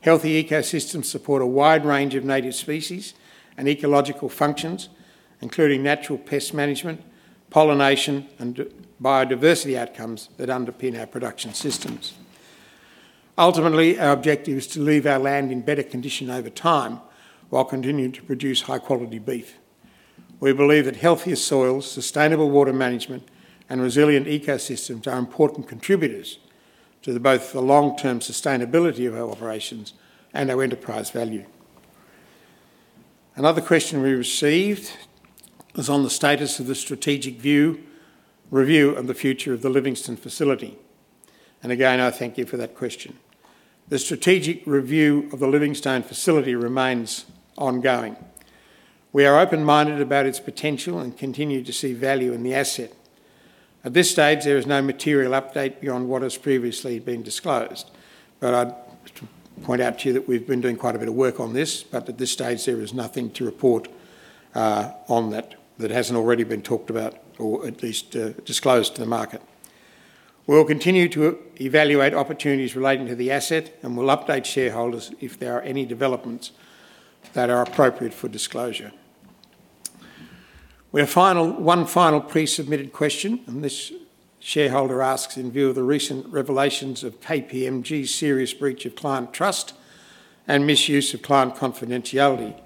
Healthy ecosystems support a wide range of native species and ecological functions, including natural pest management, pollination, and biodiversity outcomes that underpin our production systems. Ultimately, our objective is to leave our land in better condition over time while continuing to produce high-quality beef. We believe that healthier soils, sustainable water management, and resilient ecosystems are important contributors to both the long-term sustainability of our operations and our enterprise value. Another question we received was on the status of the strategic review of the future of the Livingstone facility, and again, I thank you for that question. The strategic review of the Livingstone facility remains ongoing. We are open-minded about its potential and continue to see value in the asset. At this stage, there is no material update beyond what has previously been disclosed, but I'd point out to you that we've been doing quite a bit of work on this, but at this stage, there is nothing to report on that that hasn't already been talked about, or at least disclosed to the market. We'll continue to evaluate opportunities relating to the asset, and we'll update shareholders if there are any developments that are appropriate for disclosure. We have one final pre-submitted question, and this shareholder asks, in view of the recent revelations of KPMG's serious breach of client trust and misuse of client confidentiality,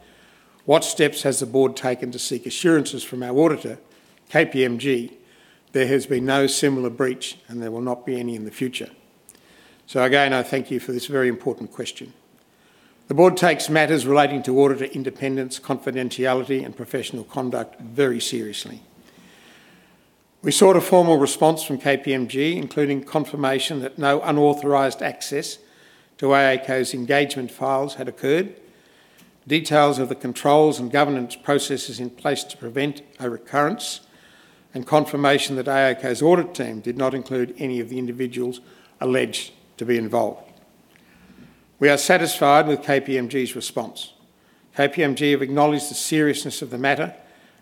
what steps has the board taken to seek assurances from our auditor, KPMG, there has been no similar breach and there will not be any in the future? Again, I thank you for this very important question. The board takes matters relating to auditor independence, confidentiality, and professional conduct very seriously. We sought a formal response from KPMG, including confirmation that no unauthorized access to AACo's engagement files had occurred, details of the controls and governance processes in place to prevent a recurrence, and confirmation that AACo's audit team did not include any of the individuals alleged to be involved. We are satisfied with KPMG's response. KPMG have acknowledged the seriousness of the matter,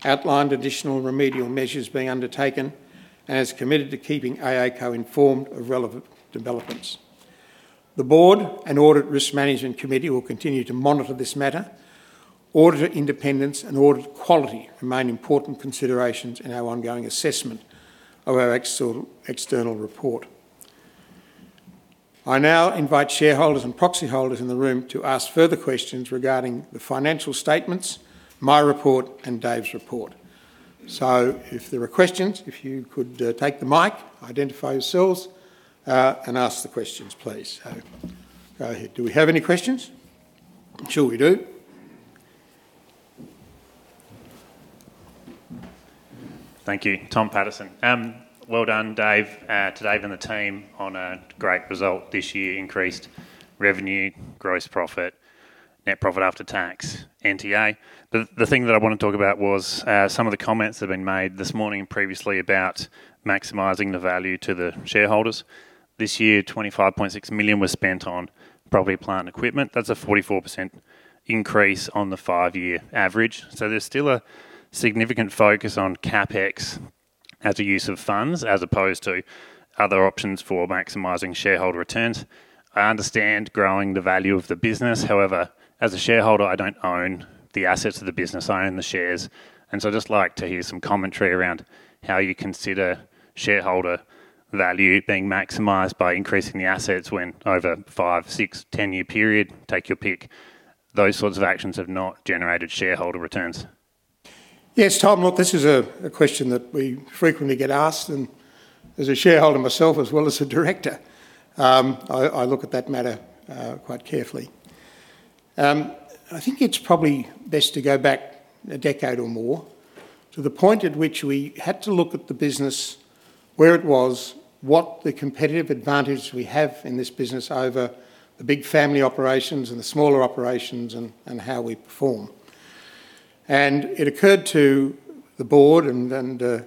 outlined additional remedial measures being undertaken, and has committed to keeping AACo informed of relevant developments. The board and Audit and Risk Management Committee will continue to monitor this matter. Auditor independence and audit quality remain important considerations in our ongoing assessment of our external report. I now invite shareholders and proxy holders in the room to ask further questions regarding the financial statements, my report, and Dave's report. If there are questions, if you could take the mic, identify yourselves, and ask the questions, please. Go ahead. Do we have any questions? I'm sure we do. Thank you. Tom Patterson. Well done to Dave and the team on a great result this year— increased revenue, gross profit, net profit after tax, NTA. The thing that I want to talk about was some of the comments that have been made this morning and previously about maximizing the value to the shareholders. This year, $25.6 million was spent on property, plant, and equipment. That's a 44% increase on the five-year average. There's still a significant focus on CapEx as a use of funds as opposed to other options for maximizing shareholder returns. I understand growing the value of the business, however, as a shareholder, I don't own the assets of the business, I own the shares. I'd just like to hear some commentary around how you consider shareholder value being maximized by increasing the assets when over a 5, 6, 10-year period, take your pick, those sorts of actions have not generated shareholder returns. Yes, Tom. Look, this is a question that we frequently get asked. As a shareholder myself as well as a director, I look at that matter quite carefully. I think it's probably best to go back a decade or more to the point at which we had to look at the business, where it was, what the competitive advantage we have in this business over the big family operations and the smaller operations, and how we perform. It occurred to the board and a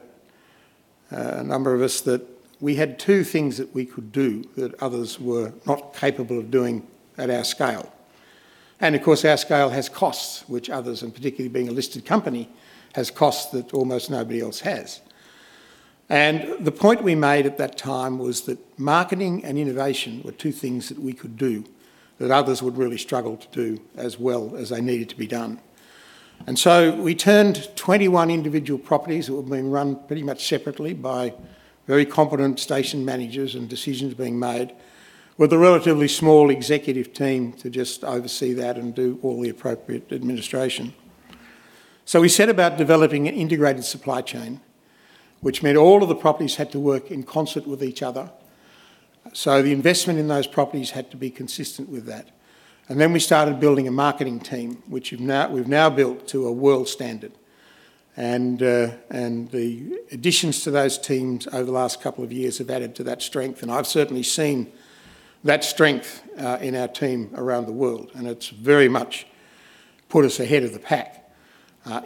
number of us that we had two things that we could do that others were not capable of doing at our scale. Of course, our scale has costs, which others, and particularly being a listed company, has costs that almost nobody else has. The point we made at that time was that marketing and innovation were two things that we could do that others would really struggle to do as well as they needed to be done. We turned 21 individual properties that were being run pretty much separately by very competent station managers and decisions being made with a relatively small executive team to just oversee that and do all the appropriate administration. We set about developing an integrated supply chain, which meant all of the properties had to work in concert with each other. The investment in those properties had to be consistent with that. We started building a marketing team, which we've now built to a world standard. The additions to those teams over the last couple of years have added to that strength. I've certainly seen that strength in our team around the world, and it's very much put us ahead of the pack.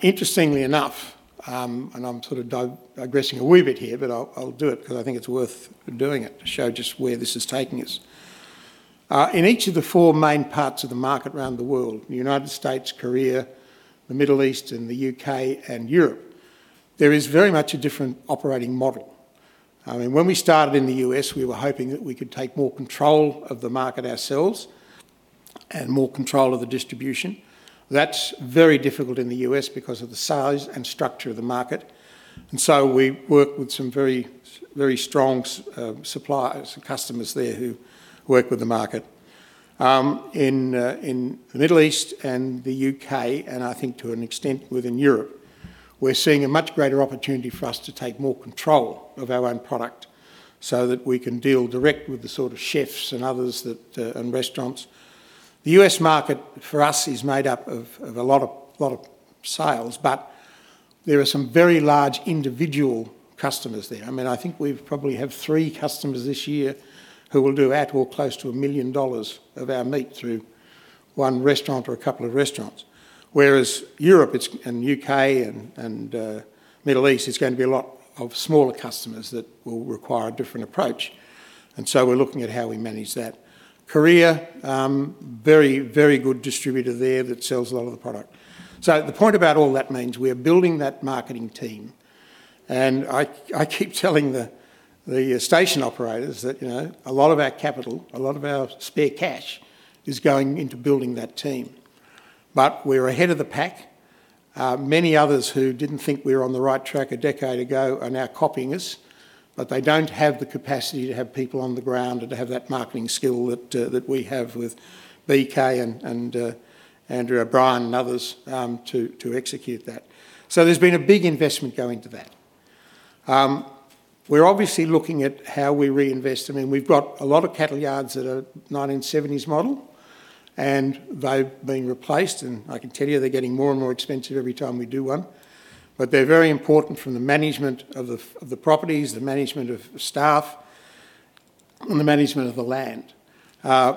Interestingly enough—I'm sort of digressing a wee bit here, but I'll do it because I think it's worth doing it to show just where this is taking us—in each of the four main parts of the market around the world—the United States, Korea, the Middle East, the U.K., and Europe—there is very much a different operating model. When we started in the U.S., we were hoping that we could take more control of the market ourselves and more control of the distribution. That's very difficult in the U.S. because of the size and structure of the market. We work with some very strong suppliers and customers there who work with the market. In the Middle East and the U.K., and I think to an extent within Europe, we're seeing a much greater opportunity for us to take more control of our own product so that we can deal direct with the sort of chefs and others, and restaurants. The U.S. market for us is made up of a lot of sales. There are some very large individual customers there. I think we probably have three customers this year who will do at or close to $1 million of our meat through one restaurant or a couple of restaurants. Whereas Europe, the U.K. and the Middle East, it's going to be a lot of smaller customers that will require a different approach. We're looking at how we manage that. Korea, very good distributor there that sells a lot of the product. The point about all that means we are building that marketing team. I keep telling the station operators that a lot of our capital, a lot of our spare cash is going into building that team. We're ahead of the pack. Many others who didn't think we were on the right track a decade ago are now copying us, but they don't have the capacity to have people on the ground or to have that marketing skill that we have with BK and Andrew O'Brien and others to execute that. There's been a big investment go into that. We're obviously looking at how we reinvest. We've got a lot of cattle yards that are 1970s model. They're being replaced, and I can tell you they're getting more and more expensive every time we do one. They're very important from the management of the properties, the management of staff, and the management of the land.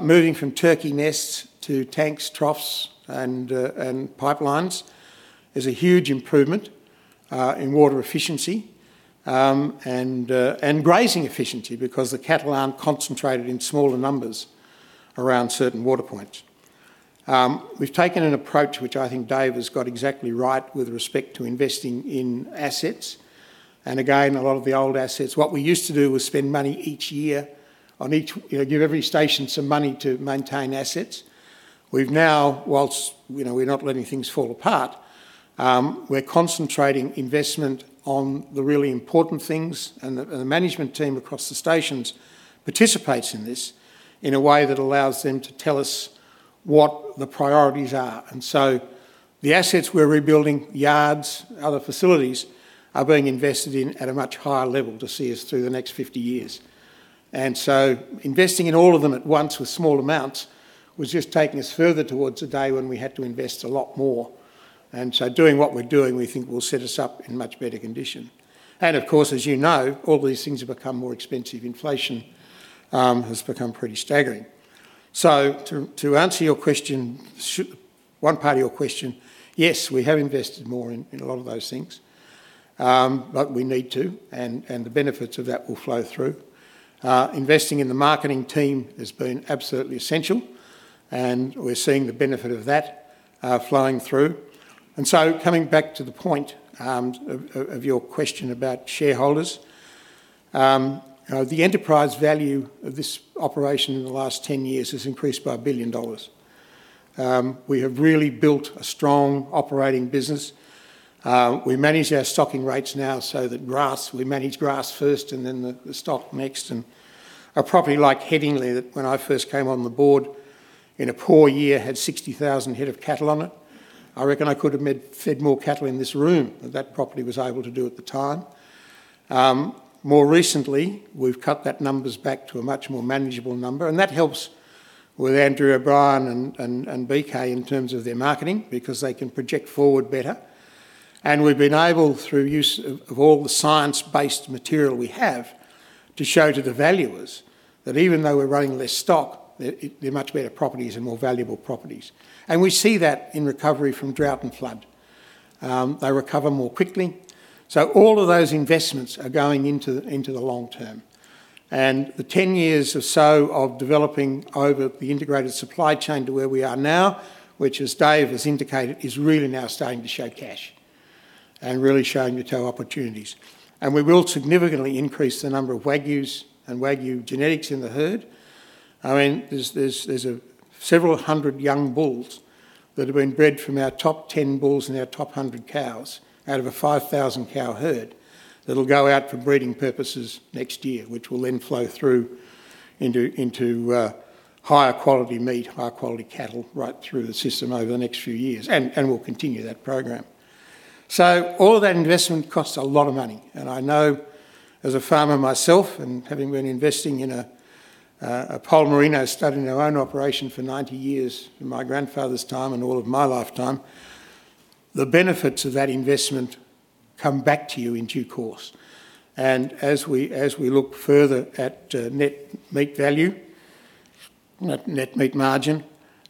Moving from turkey nests to tanks, troughs, and pipelines is a huge improvement in water efficiency and grazing efficiency because the cattle aren't concentrated in smaller numbers around certain water points. We've taken an approach which I think Dave has got exactly right with respect to investing in assets. Again, a lot of the old assets, what we used to do was spend money each year, give every station some money to maintain assets. Whilst we're not letting things fall apart, we're concentrating investment on the really important things, and the management team across the stations participates in this in a way that allows them to tell us what the priorities are. The assets we're rebuilding, yards, other facilities, are being invested in at a much higher level to see us through the next 50 years. Investing in all of them at once with small amounts was just taking us further towards a day when we had to invest a lot more. Doing what we're doing, we think will set us up in much better condition. Of course, as you know, all these things have become more expensive. Inflation has become pretty staggering. To answer one part of your question, yes, we have invested more in a lot of those things. We need to, the benefits of that will flow through. Investing in the marketing team has been absolutely essential, we're seeing the benefit of that flowing through. Coming back to the point of your question about shareholders, the enterprise value of this operation in the last 10 years has increased by $1 billion. We have really built a strong operating business. We manage our stocking rates now so that grass—we manage grass first and then the stock next. A property like Headingley, when I first came on the board, in a poor year, had 60,000 head of cattle on it. I reckon I could have fed more cattle in this room than that property was able to do at the time. More recently, we've cut that numbers back to a much more manageable number, that helps with Andrew O'Brien and BK in terms of their marketing, because they can project forward better. We've been able, through use of all the science-based material we have, to show to the valuers that even though we're running less stock, they're much better properties and more valuable properties. We see that in recovery from drought and flood. They recover more quickly. All of those investments are going into the long term. The 10 years or so of developing over the integrated supply chain to where we are now, which, as Dave has indicated, is really now starting to show cash and really showing the two opportunities. We will significantly increase the number of Wagyus and Wagyu genetics in the herd. There's several hundred young bulls that have been bred from our top 10 bulls and our top 100 cows out of a 5,000-cow herd that'll go out for breeding purposes next year, which will then flow through into higher-quality meat, higher-quality cattle right through the system over the next few years, we'll continue that program. All of that investment costs a lot of money, I know as a farmer myself and having been investing in a Poll Merino stud in our own operation for 90 years, in my grandfather's time and all of my lifetime, the benefits of that investment come back to you in due course. As we look further at net beef value, net beef margin,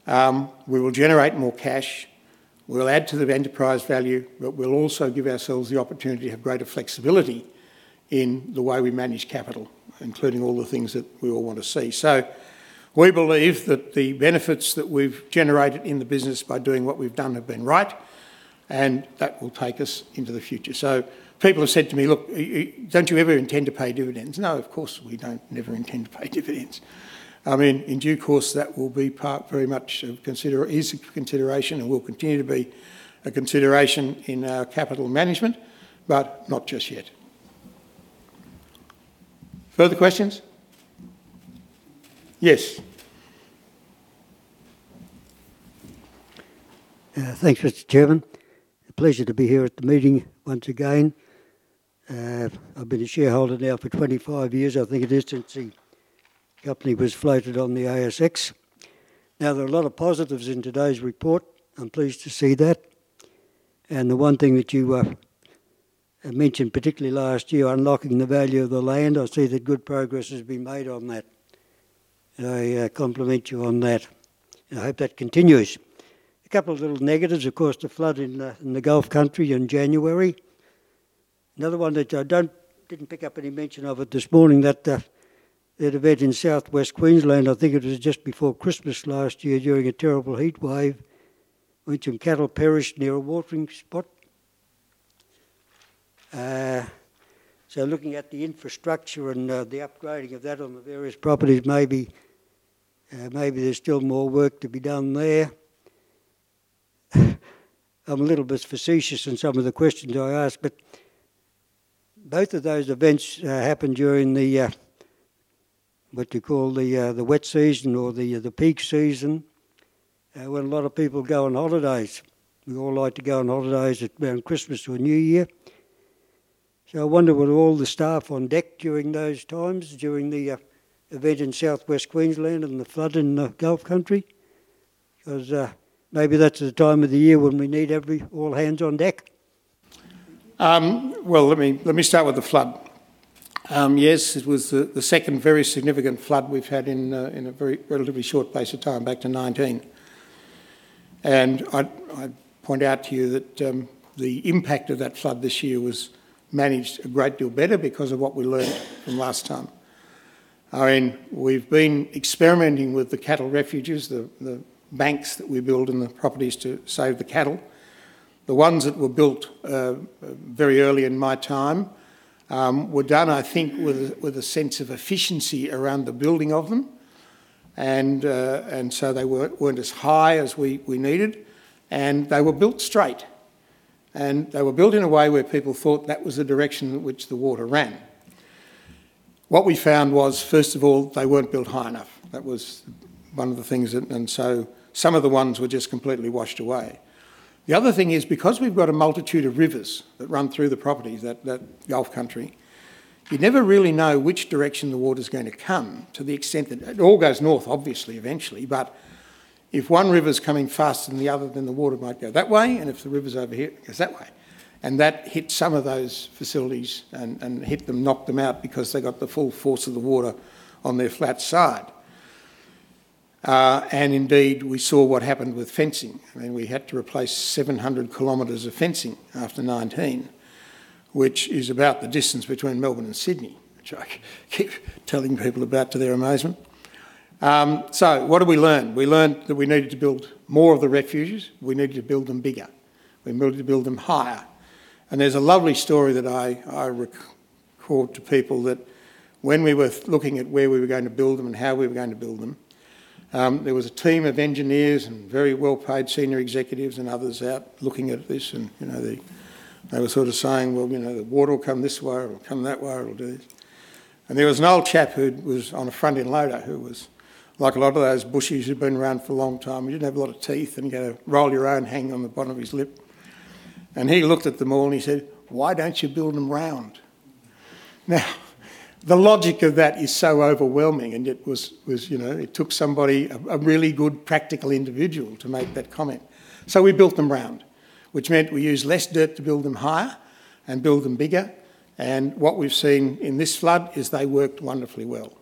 we will generate more cash, we'll add to the enterprise value, but we'll also give ourselves the opportunity to have greater flexibility in the way we manage capital, including all the things that we all want to see. We believe that the benefits that we've generated in the business by doing what we've done have been right, and that will take us into the future. People have said to me, look, don't you ever intend to pay dividends? No, of course we don't never intend to pay dividends. In due course, that will be part very much is a consideration and will continue to be a consideration in our capital management, but not just yet. Further questions? Yes. Thanks, Mr. Chairman. A pleasure to be here at the meeting once again. I've been a shareholder now for 25 years, I think, it is since the company was floated on the ASX. There are a lot of positives in today's report. I'm pleased to see that. The one thing that you have mentioned, particularly last year, Unlocking the Value of our Land. I see that good progress has been made on that. I compliment you on that, and I hope that continues. A couple of little negatives, of course, the flood in the Gulf Country in January. Another one that I didn't pick up any mention of it this morning, that event in South West Queensland, I think it was just before Christmas last year during a terrible heatwave, in which some cattle perished near a watering spot. Looking at the infrastructure and the upgrading of that on the various properties, maybe there's still more work to be done there. I'm a little bit facetious in some of the questions I ask, both of those events happened during the, what you call the wet season or the peak season, when a lot of people go on holidays. We all like to go on holidays around Christmas or New Year. I wonder, were all the staff on deck during those times, during the event in South West Queensland and the flood in the Gulf Country? Because maybe that's the time of the year when we need all hands on deck. Well, let me start with the flood. Yes, it was the second very significant flood we've had in a very relatively short space of time, back to 2019. I'd point out to you that the impact of that flood this year was managed a great deal better because of what we learned from last time. We've been experimenting with the cattle refuges, the banks that we build and the properties to save the cattle. The ones that were built very early in my time were done, I think, with a sense of efficiency around the building of them. They weren't as high as we needed, and they were built straight, and they were built in a way where people thought that was the direction in which the water ran. What we found was, first of all, they weren't built high enough. That was one of the things. Some of the ones were just completely washed away. The other thing is, because we've got a multitude of rivers that run through the properties, that Gulf Country, you never really know which direction the water's going to come, to the extent that it all goes north, obviously, eventually, but if one river's coming faster than the other, then the water might go that way. If the river's over here, it goes that way. That hit some of those facilities and hit them, knocked them out because they got the full force of the water on their flat side. Indeed, we saw what happened with fencing, we had to replace 700 km of fencing after 2019, which is about the distance between Melbourne and Sydney, which I keep telling people about to their amazement. What did we learn? We learned that we needed to build more of the refuges. We needed to build them bigger. We needed to build them higher. There's a lovely story that I recall to people that when we were looking at where we were going to build them and how we were going to build them, there was a team of engineers and very well-paid senior executives and others out looking at this, they were sort of saying, well, the water will come this way or it will come that way or it'll do. There was an old chap who was on a front-end loader, who was like a lot of those bushies who'd been around for a long time. He didn't have a lot of teeth and he had a roll-your-own hanging on the bottom of his lip. He looked at them all, and he said, why don't you build them round? The logic of that is so overwhelming and it took somebody, a really good practical individual, to make that comment. We built them round, which meant we used less dirt to build them higher and build them bigger. What we've seen in this flood is they worked wonderfully well.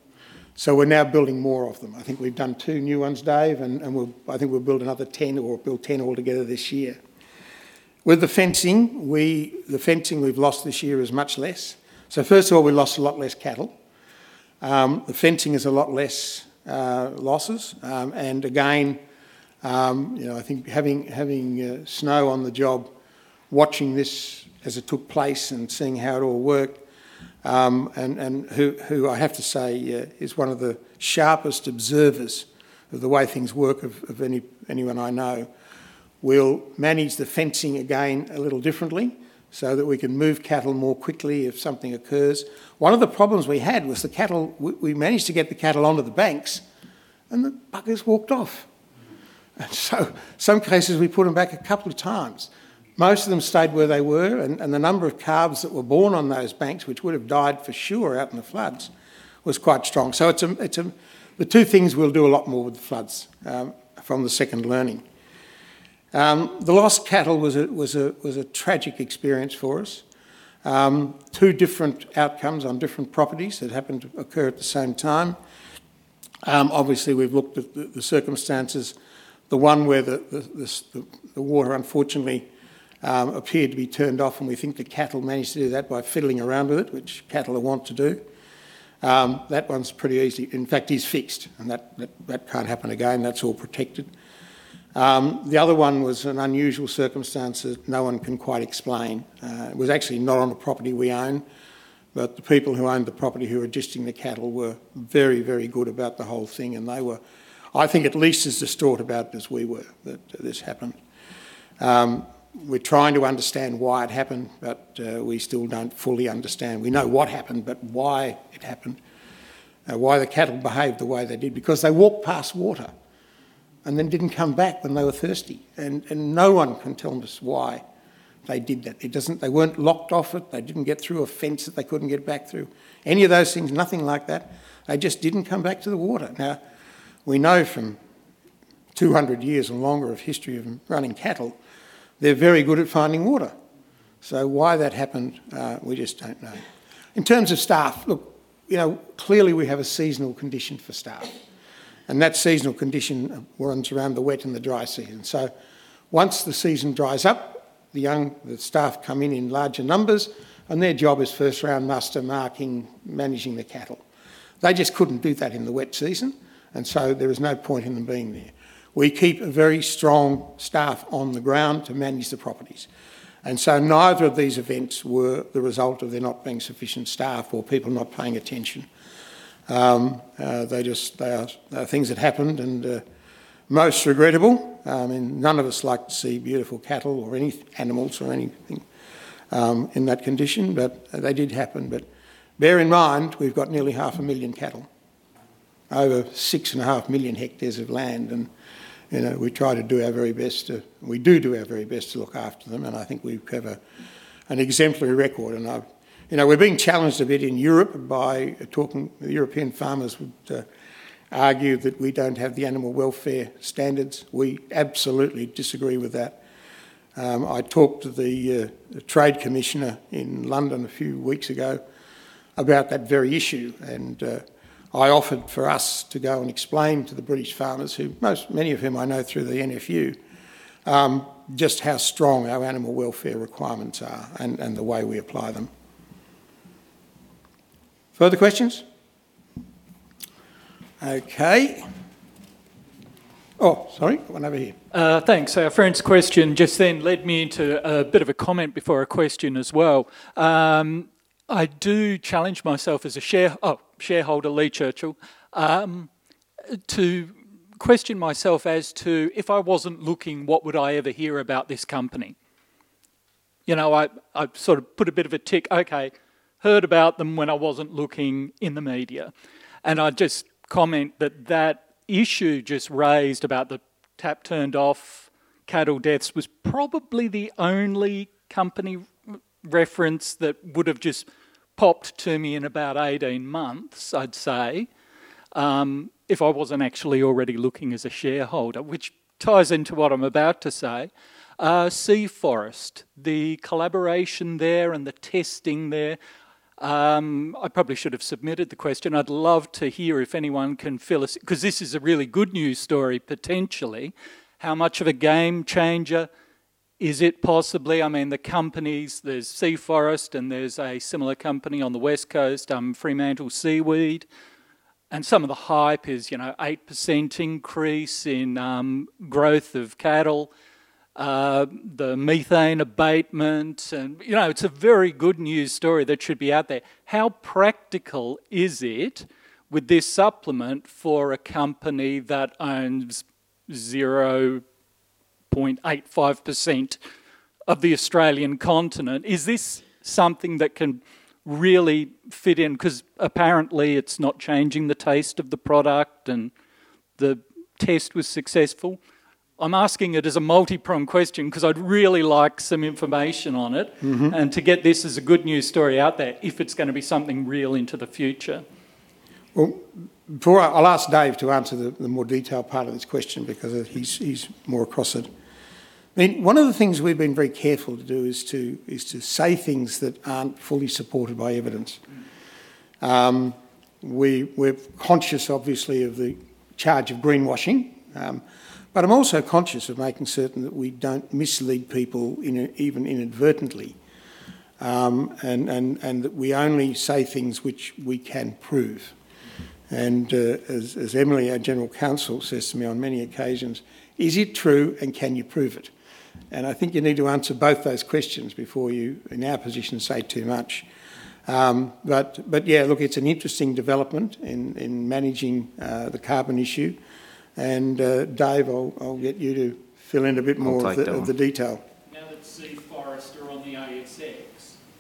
We're now building more of them. I think we've done two new ones, Dave, and I think we'll build another 10 or build 10 altogether this year. With the fencing, the fencing we've lost this year is much less. First of all, we lost a lot less cattle. The fencing is a lot less losses. Again, I think having [Snow] on the job, watching this as it took place and seeing how it all worked, who I have to say is one of the sharpest observers of the way things work of anyone I know, we'll manage the fencing again a little differently so that we can move cattle more quickly if something occurs. One of the problems we had was we managed to get the cattle onto the banks, the buggers walked off. Some cases we put them back a couple of times. Most of them stayed where they were, the number of calves that were born on those banks, which would've died for sure out in the floods, was quite strong. The two things we'll do a lot more with the floods from the second learning. The lost cattle was a tragic experience for us. Two different outcomes on different properties that happened to occur at the same time. Obviously, we've looked at the circumstances, the one where the water unfortunately appeared to be turned off, and we think the cattle managed to do that by fiddling around with it, which cattle are wont to do. That one's pretty easy. In fact, is fixed. That can't happen again. That's all protected. The other one was an unusual circumstance that no one can quite explain. It was actually not on a property we own, the people who owned the property, who were agisting the cattle, were very good about the whole thing. They were, I think, at least as distraught about it as we were that this happened. We're trying to understand why it happened, but we still don't fully understand. We know what happened, but why it happened, why the cattle behaved the way they did. Because they walked past water and then didn't come back when they were thirsty. No one can tell us why they did that. They weren't locked off it. They didn't get through a fence that they couldn't get back through. Any of those things, nothing like that. They just didn't come back to the water. Now, we know from 200 years and longer of history of running cattle, they're very good at finding water. Why that happened, we just don't know. In terms of staff, look, clearly we have a seasonal condition for staff. That seasonal condition runs around the wet and the dry season. Once the season dries up, the staff come in in larger numbers, and their job is first-round muster marking, managing the cattle. They just couldn't do that in the wet season, there is no point in them being there. We keep a very strong staff on the ground to manage the properties. Neither of these events were the result of there not being sufficient staff or people not paying attention. They are things that happened and most regrettable. None of us like to see beautiful cattle or any animals or anything in that condition, they did happen. Bear in mind, we've got nearly 500,000 cattle, over 6.5 million hectares of land, we do our very best to look after them, I think we have an exemplary record. We're being challenged a bit in Europe by talking with European farmers who argue that we don't have the animal welfare standards. We absolutely disagree with that. I talked to the Trade Commissioner in London a few weeks ago about that very issue. I offered for us to go and explain to the British farmers, many of whom I know through the NFU, just how strong our animal welfare requirements are and the way we apply them. Further questions? One over here. Thanks. Our friend's question just then led me into a bit of a comment before a question as well. I do challenge myself as a shareholder, Lee Churchill, to question myself as to, if I wasn't looking, what would I ever hear about this company? I sort of put a bit of a tick, okay, heard about them when I wasn't looking in the media. I'd just comment that that issue just raised about the tap turned off cattle deaths was probably the only company reference that would've just popped to me in about 18 months, I'd say, if I wasn't actually already looking as a shareholder, which ties into what I'm about to say. Sea Forest, the collaboration there and the testing there. I probably should've submitted the question. I'd love to hear if anyone can fill us, because this is a really good news story, potentially. How much of a game changer is it possibly? There's Sea Forest, there's a similar company on the West Coast, Fremantle Seaweed. Some of the hype is 8% increase in growth of cattle, the methane abatement. It's a very good news story that should be out there. How practical is it with this supplement for a company that owns 0.85% of the Australian continent? Is this something that can really fit in? Apparently it's not changing the taste of the product, and the test was successful. I'm asking it as a multi-pronged question because I'd really like some information on it. To get this as a good news story out there, if it's going to be something real into the future. I'll ask Dave to answer the more detailed part of this question because he's more across it. One of the things we've been very careful to do is to say things that aren't fully supported by evidence. We're conscious, obviously, of the charge of greenwashing. I'm also conscious of making certain that we don't mislead people even inadvertently, and that we only say things which we can prove. As Emily, our General counsel, says to me on many occasions, is it true, and can you prove it? I think you need to answer both those questions before you, in our position, say too much. Look, it's an interesting development in managing the carbon issue. Dave, I'll get you to fill in a bit more- I'll take that one.... of the detail. Now that Sea Forest are on the ASX.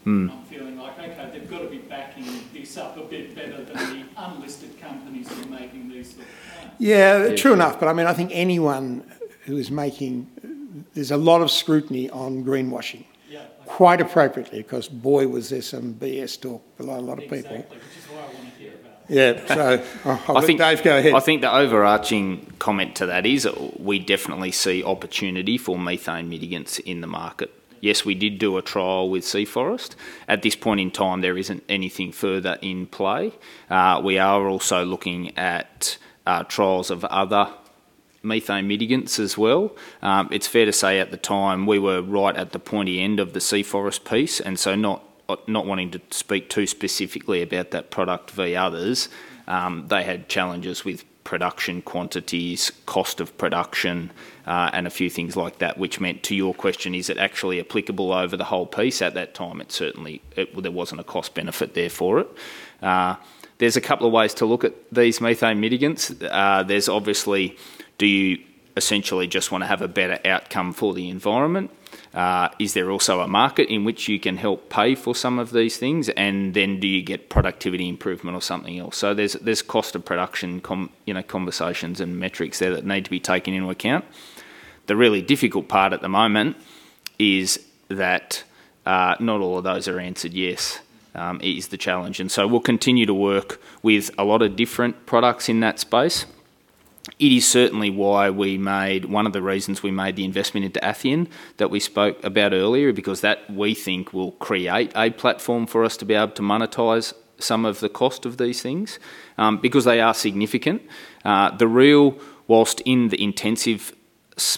I'm feeling like, okay, they've got to be backing this up a bit better than the unlisted companies who are making these sort of claims. True enough. I think anyone who is making—There's a lot of scrutiny on greenwashing. Quite appropriately, because, boy, was there some BS talk below a lot of people. Exactly. Which is why I wanted to hear about it. I'll let Dave go ahead. I think the overarching comment to that is we definitely see opportunity for methane mitigants in the market. Yes, we did do a trial with Sea Forest. At this point in time, there isn't anything further in play. We are also looking at trials of other methane mitigants as well. It's fair to say at the time, we were right at the pointy end of the Sea Forest piece, and so not wanting to speak too specifically about that product v. others. They had challenges with production quantities, cost of production, and a few things like that. Which meant to your question, is it actually applicable over the whole piece? At that time, there wasn't a cost benefit there for it. There's a couple of ways to look at these methane mitigants. There's obviously, do you essentially just want to have a better outcome for the environment? Is there also a market in which you can help pay for some of these things? Do you get productivity improvement or something else? There's cost of production conversations and metrics there that need to be taken into account. The really difficult part at the moment is that not all of those are answered yet, is the challenge. We'll continue to work with a lot of different products in that space. It is certainly one of the reasons we made the investment into Athian that we spoke about earlier because that, we think, will create a platform for us to be able to monetize some of the cost of these things, because they are significant. Whilst in the intensive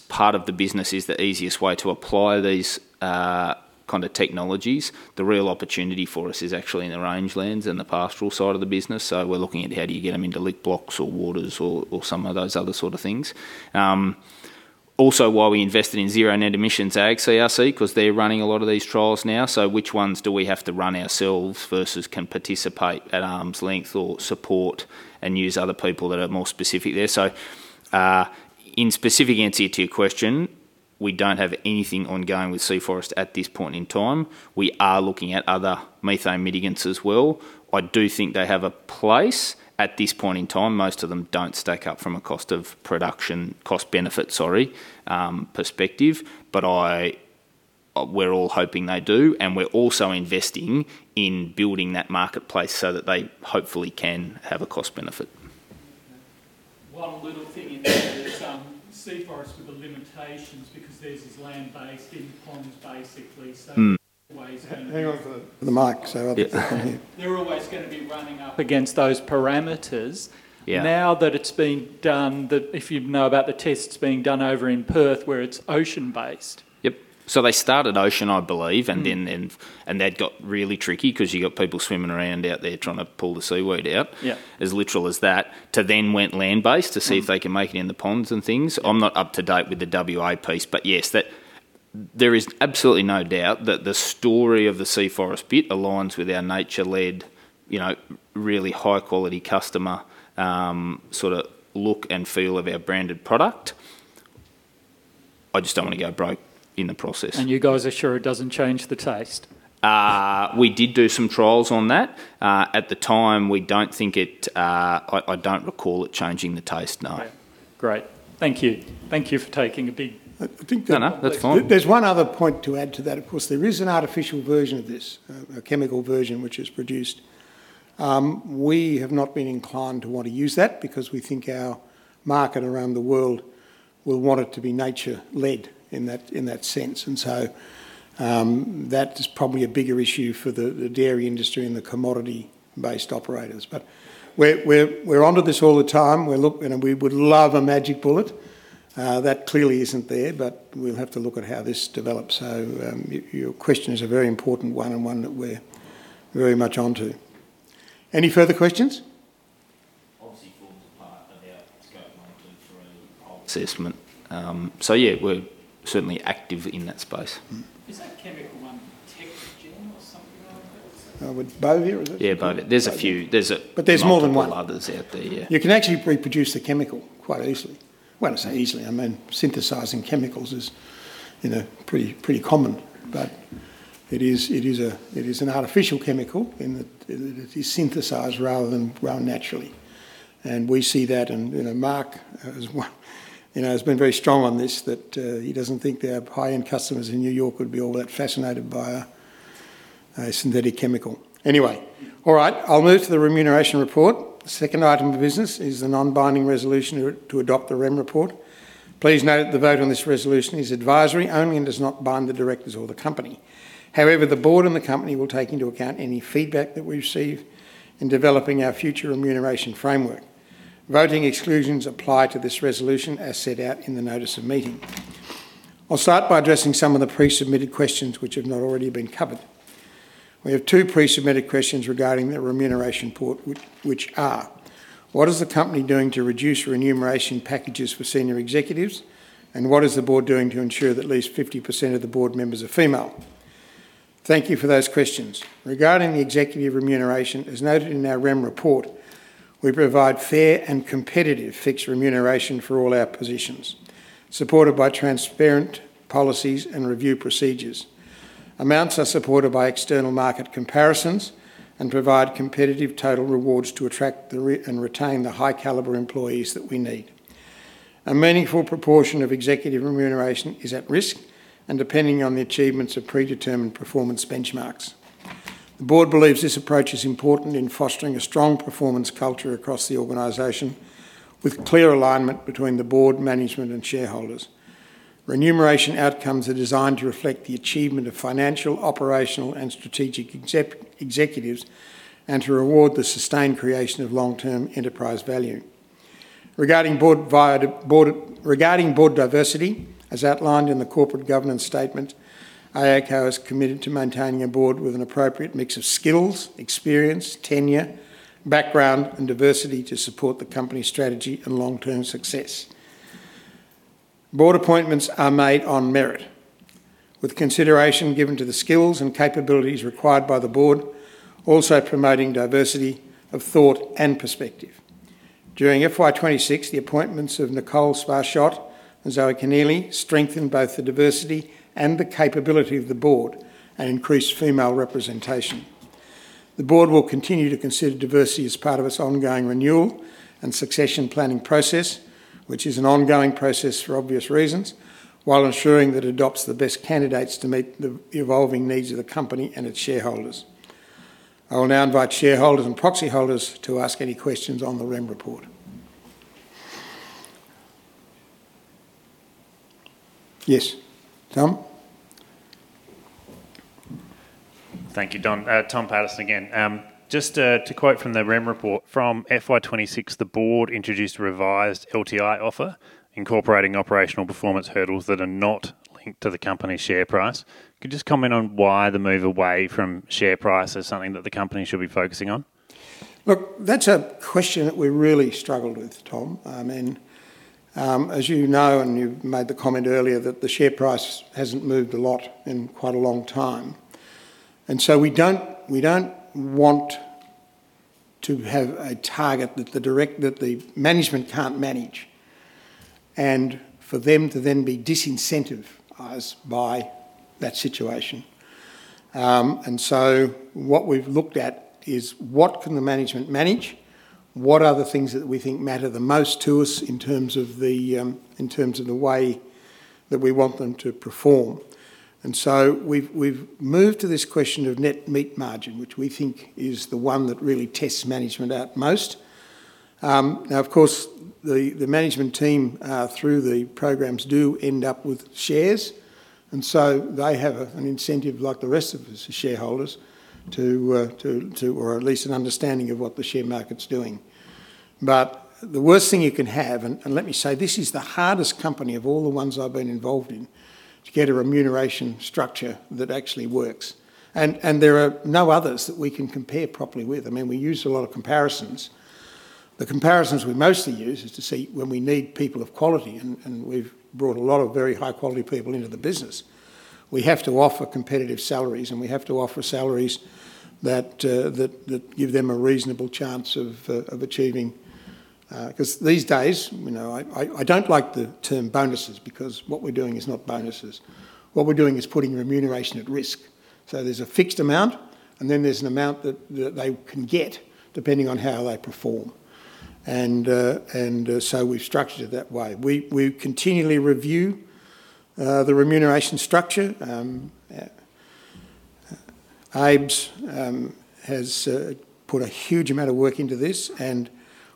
part of the business is the easiest way to apply these kind of technologies, the real opportunity for us is actually in the rangelands and the pastoral side of the business. We're looking at how do you get them into lick blocks or waters or some of those other sort of things. Also why we invested in Zero Net Emissions Agriculture CRC, because they're running a lot of these trials now. Which ones do we have to run ourselves versus can participate at arm's length or support and use other people that are more specific there? In specific answer to your question, we don't have anything ongoing with Sea Forest at this point in time. We are looking at other methane mitigants as well. I do think they have a place. At this point in time, most of them don't stack up from a cost benefit perspective. We're all hoping they do, and we're also investing in building that marketplace so that they hopefully can have a cost benefit. One little thing in there. There's some Sea Forest with the limitations because theirs is land-based in ponds, basically. They're always going to be- Hang on for the mic, so other people can hear. They're always going to be running up against those parameters. Now that it's been done, if you know about the tests being done over in Perth where it's ocean-based. Yes. They started ocean, I believe. That got really tricky because you got people swimming around out there trying to pull the seaweed out. As literal as that. To then went land-based to see if they can make it in the ponds and things. I'm not up to date with the WA piece. Yes, there is absolutely no doubt that the story of the Sea Forest bit aligns with our nature-led, really high-quality customer look and feel of our branded product. I just don't want to go broke in the process. You guys are sure it doesn't change the taste? We did do some trials on that. At the time, I don't recall it changing the taste, no. Great. Thank you. Thank you for taking a big- I think that- No, no, that's fine. There's one other point to add to that. Of course, there is an artificial version of this, a chemical version which is produced. We have not been inclined to want to use that because we think our market around the world will want it to be nature-led in that sense. That is probably a bigger issue for the dairy industry and the commodity-based operators. We're onto this all the time. We would love a magic bullet. That clearly isn't there, we'll have to look at how this develops. Your question is a very important one and one that we're very much onto. Any further questions? Obviously, forms a part of our scope of work through whole assessment. We're certainly active in that space. Is that chemical one Bovaer or something like that? Bovaer, is it? Yeah, Bovaer. There's a few. There's more than one. Multiple others out there. You can actually reproduce the chemical quite easily. Well, I say easily. I mean, synthesizing chemicals is pretty common. It is an artificial chemical in that it is synthesized rather than grown naturally. We see that, and Marc has been very strong on this, that he doesn't think our high-end customers in New York would be all that fascinated by a synthetic chemical. Anyway. All right, I'll move to the Remuneration Report. The second item of business is the non-binding resolution to adopt the Remuneration Report. Please note that the vote on this resolution is advisory only and does not bind the directors or the company. However, the board and the company will take into account any feedback that we receive in developing our future remuneration framework. Voting exclusions apply to this resolution as set out in the Notice of Meeting. I'll start by addressing some of the pre-submitted questions which have not already been covered. We have two pre-submitted questions regarding the Remuneration Report, which are: What is the company doing to reduce remuneration packages for senior executives? What is the board doing to ensure that at least 50% of the board members are female? Thank you for those questions. Regarding the executive remuneration, as noted in our Remuneration Report, we provide fair and competitive fixed remuneration for all our positions, supported by transparent policies and review procedures. Amounts are supported by external market comparisons and provide competitive total rewards to attract and retain the high-caliber employees that we need. A meaningful proportion of executive remuneration is at risk and depending on the achievements of predetermined performance benchmarks. The board believes this approach is important in fostering a strong performance culture across the organization, with clear alignment between the board, management, and shareholders. Remuneration outcomes are designed to reflect the achievement of financial, operational, and strategic executives and to reward the sustained creation of long-term enterprise value. Regarding board diversity, as outlined in the corporate governance statement, AACo is committed to maintaining a board with an appropriate mix of skills, experience, tenure, background, and diversity to support the company's strategy and long-term success. Board appointments are made on merit, with consideration given to the skills and capabilities required by the board, also promoting diversity of thought and perspective. During FY 2026, the appointments of Nicole Sparshott and Zoe Kenneally strengthened both the diversity and the capability of the board and increased female representation. The board will continue to consider diversity as part of its ongoing renewal and succession planning process, which is an ongoing process for obvious reasons, while ensuring that it adopts the best candidates to meet the evolving needs of the company and its shareholders. I will now invite shareholders and proxy holders to ask any questions on the Remuneration Report. Yes, Tom? Thank you, Don. Tom Patterson again. Just to quote from the Remuneration Report, from FY 2026, the board introduced a revised LTI offer incorporating operational performance hurdles that are not linked to the company's share price. Could you just comment on why the move away from share price as something that the company should be focusing on? Look, that's a question that we really struggled with, Tom. As you know, and you made the comment earlier, that the share price hasn't moved a lot in quite a long time. We don't want to have a target that the management can't manage, and for them to then be disincentivized by that situation. What we've looked at is what can the management manage? What are the things that we think matter the most to us in terms of the way that we want them to perform? We've moved to this question of net beef margin, which we think is the one that really tests management out most. Now, of course, the management team, through the programs, do end up with shares, so they have an incentive, like the rest of us as shareholders, or at least an understanding of what the share market's doing. The worst thing you can have, and let me say, this is the hardest company of all the ones I've been involved in, to get a remuneration structure that actually works. There are no others that we can compare properly with. We use a lot of comparisons. The comparisons we mostly use is to see when we need people of quality, and we've brought a lot of very high-quality people into the business. We have to offer competitive salaries, and we have to offer salaries that give them a reasonable chance of achieving. These days, I don't like the term bonuses because what we're doing is not bonuses. What we're doing is putting remuneration at risk. There's a fixed amount, and then there's an amount that they can get depending on how they perform. We've structured it that way. We continually review the remuneration structure. The Board has put a huge amount of work into this, and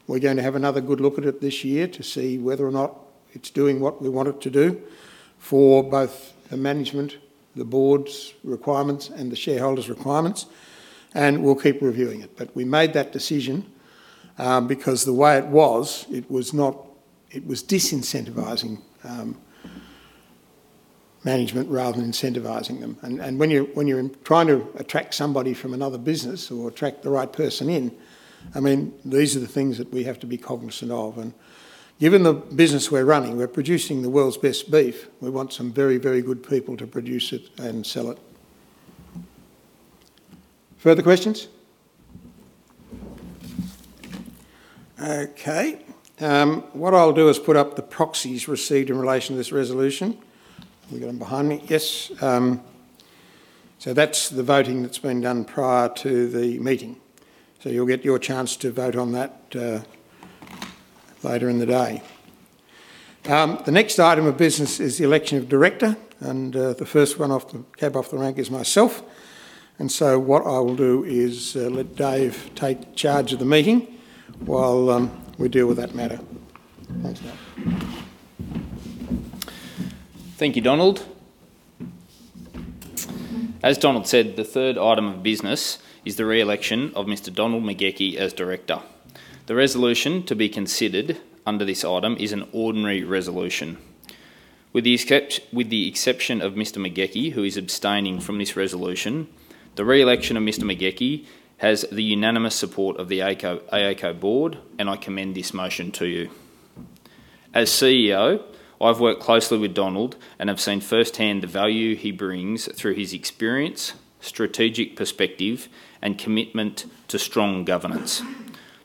we're going to have another good look at it this year to see whether or not it's doing what we want it to do for both the management, the board's requirements, and the shareholders' requirements. We'll keep reviewing it. We made that decision because the way it was, it was disincentivizing management rather than incentivizing them. When you're trying to attract somebody from another business or attract the right person in, these are the things that we have to be cognizant of. Given the business we're running, we're producing the world's best beef, we want some very good people to produce it and sell it. Further questions? What I'll do is put up the proxies received in relation to this resolution. Have we got them behind me? Yes. That's the voting that's been done prior to the meeting. You'll get your chance to vote on that later in the day. The next item of business is the election of director, and the first one off the cab off the rank is myself. What I will do is let Dave take charge of the meeting while we deal with that matter. Thanks, Dave. Thank you, Donald. As Donald said, the third item of business is the re-election of Mr. Donald McGauchie as Director. The resolution to be considered under this item is an ordinary resolution. With the exception of Mr. McGauchie, who is abstaining from this resolution, the re-election of Mr. McGauchie has the unanimous support of the AACo board. I commend this motion to you. As CEO, I've worked closely with Donald and have seen firsthand the value he brings through his experience, strategic perspective, and commitment to strong governance.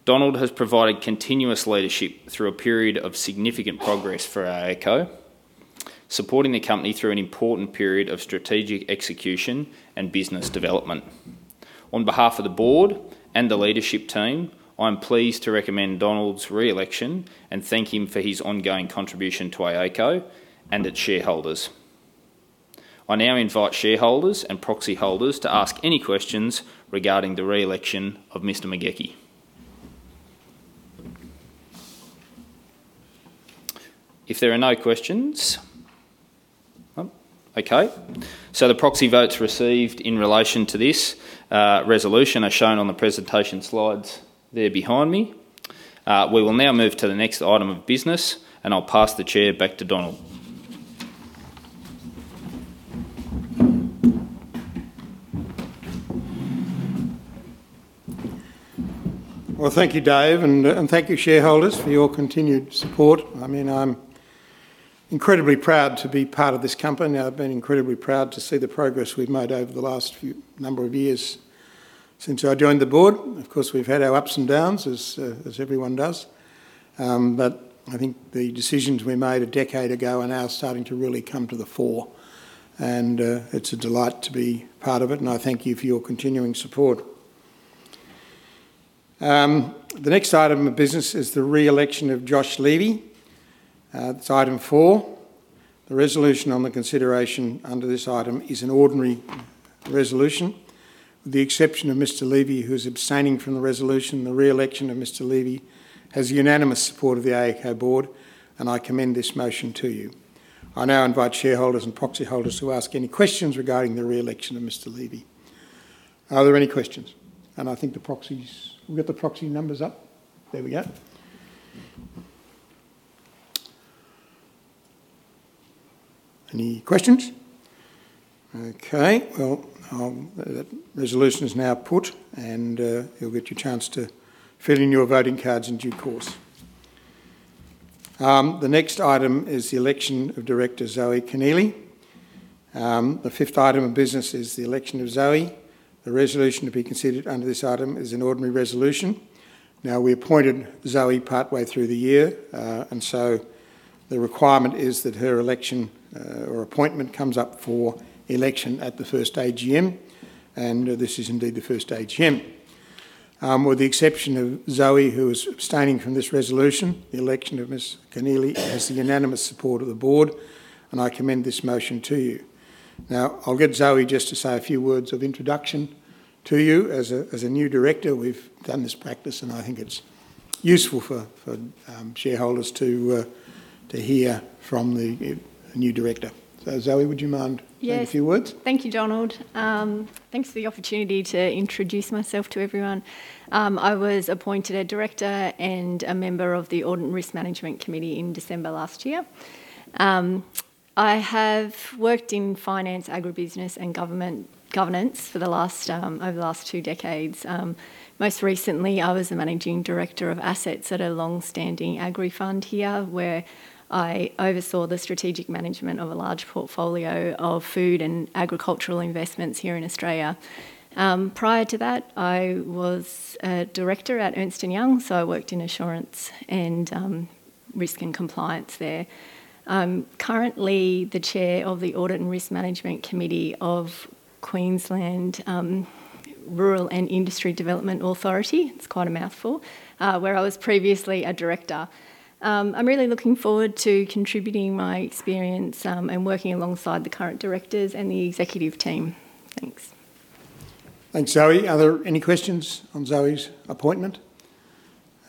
Donald has provided continuous leadership through a period of significant progress for AACo, supporting the company through an important period of strategic execution and business development. On behalf of the board and the leadership team, I'm pleased to recommend Donald's re-election and thank him for his ongoing contribution to AACo and its shareholders. I now invite shareholders and proxy holders to ask any questions regarding the re-election of Mr. McGauchie. If there are no questions. The proxy vote's received in relation to this resolution, as shown on the presentation slides there behind me. We will now move to the next item of business. I'll pass the chair back to Donald. Well, thank you, Dave. Thank you, shareholders, for your continued support. I'm incredibly proud to be part of this company. I've been incredibly proud to see the progress we've made over the last number of years since I joined the board. Of course, we've had our ups and downs as everyone does. I think the decisions we made a decade ago are now starting to really come to the fore. It's a delight to be part of it. I thank you for your continuing support. The next item of business is the re-election of Josh Levy. It's item four. The resolution on the consideration under this item is an ordinary resolution. With the exception of Mr. Levy, who is abstaining from the resolution, the re-election of Mr. Levy has the unanimous support of the AACo board. I commend this motion to you. I now invite shareholders and proxy holders to ask any questions regarding the re-election of Mr. Levy. Are there any questions? I think the proxies, we've got the proxy numbers up? There we go. Any questions? Well, that resolution is now put. You'll get your chance to fill in your voting cards in due course. The next item is the election of Director Zoe Kenneally. The fifth item of business is the election of Zoe. The resolution to be considered under this item is an ordinary resolution. We appointed Zoe partway through the year. The requirement is that her election or appointment comes up for election at the first AGM. This is indeed the first AGM. With the exception of Zoe, who is abstaining from this resolution, the election of Ms. Kenneally has the unanimous support of the board. I commend this motion to you. I'll get Zoe just to say a few words of introduction to you as a new Director. We've done this practice, and I think it's useful for shareholders to hear from the new Director. Zoe, would you mind saying a few words? Thank you, Donald. Thanks for the opportunity to introduce myself to everyone. I was appointed a Director and a Member of the Audit and Risk Management Committee in December last year. I have worked in finance, agribusiness, and governance over the last two decades. Most recently, I was the Managing Director of Assets at a longstanding agri fund here, where I oversaw the strategic management of a large portfolio of food and agricultural investments here in Australia. Prior to that, I was a Director at Ernst & Young. I worked in insurance and risk and compliance there. I'm currently the Chair of the Audit and Risk Management Committee of Queensland Rural and Industry Development Authority, it's quite a mouthful, where I was previously a Director. I'm really looking forward to contributing my experience and working alongside the current directors and the executive team. Thanks. Thanks, Zoe. Are there any questions on Zoe's appointment?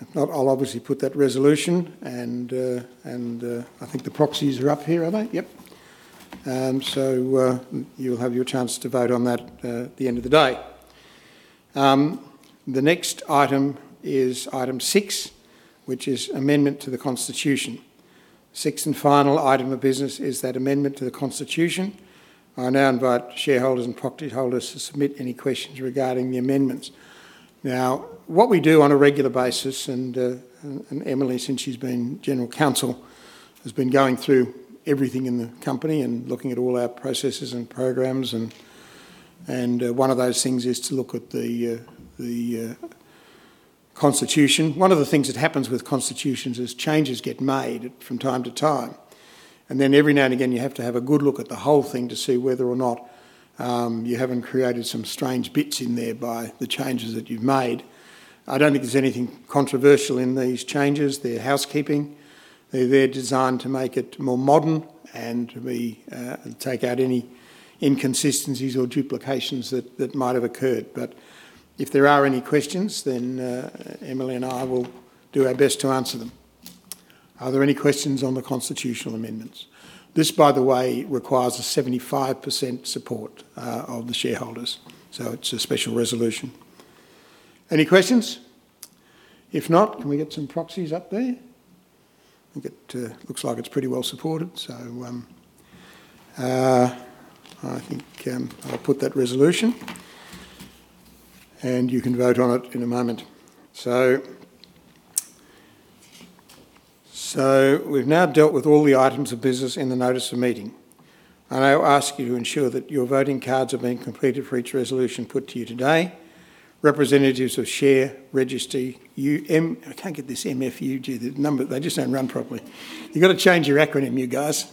If not, I'll obviously put that resolution. I think the proxies are up here, are they? Yep. You'll have your chance to vote on that at the end of the day. The next item is item six, which is amendment to the Constitution. Sixth and final item of business is that amendment to the Constitution. I now invite shareholders and proxy holders to submit any questions regarding the amendments. What we do on a regular basis, and Emily, since she's been General Counsel, has been going through everything in the company and looking at all our processes and programs. One of those things is to look at the Constitution. One of the things that happens with Constitutions is changes get made from time to time. Every now and again, you have to have a good look at the whole thing to see whether or not you haven't created some strange bits in there by the changes that you've made. I don't think there's anything controversial in these changes. They're housekeeping. They're designed to make it more modern and to take out any inconsistencies or duplications that might have occurred. If there are any questions, Emily and I will do our best to answer them. Are there any questions on the constitutional amendments? This, by the way, requires a 75% support of the shareholders. It's a special resolution. Any questions? If not, can we get some proxies up there? I think it looks like it's pretty well supported. I think I'll put that resolution. You can vote on it in a moment. We've now dealt with all the items of business in the Notice of Meeting. I'll ask you to ensure that your voting cards are being completed for each resolution put to you today. Representatives of Share Registry, I can't get this MUFG, the number, they just don't run properly. You got to change your acronym, you guys.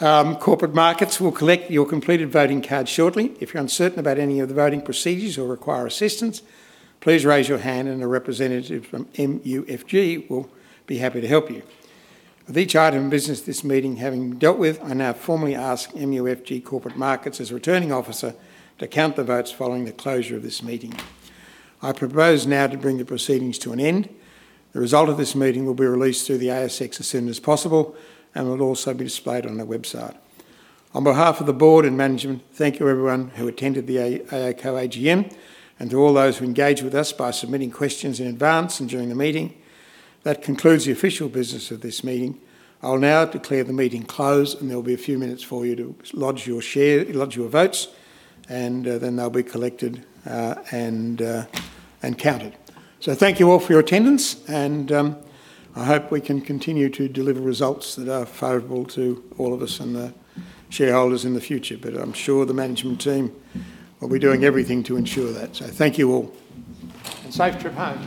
MUFG Corporate Markets will collect your completed voting card shortly. If you're uncertain about any of the voting procedures or require assistance, please raise your hand and a representative from MUFG will be happy to help you. With each item of business this meeting having dealt with, I now formally ask MUFG Corporate Markets as Returning Officer to count the votes following the closure of this meeting. I propose now to bring the proceedings to an end. The result of this meeting will be released through the ASX as soon as possible and will also be displayed on our website. On behalf of the board and management, thank you everyone who attended the AACo AGM and to all those who engaged with us by submitting questions in advance and during the meeting. That concludes the official business of this meeting. I will now declare the meeting closed. There will be a few minutes for you to lodge your votes. Then they'll be collected and counted. Thank you all for your attendance. I hope we can continue to deliver results that are favorable to all of us and the shareholders in the future. I'm sure the management team will be doing everything to ensure that. Thank you all. Safe trip home.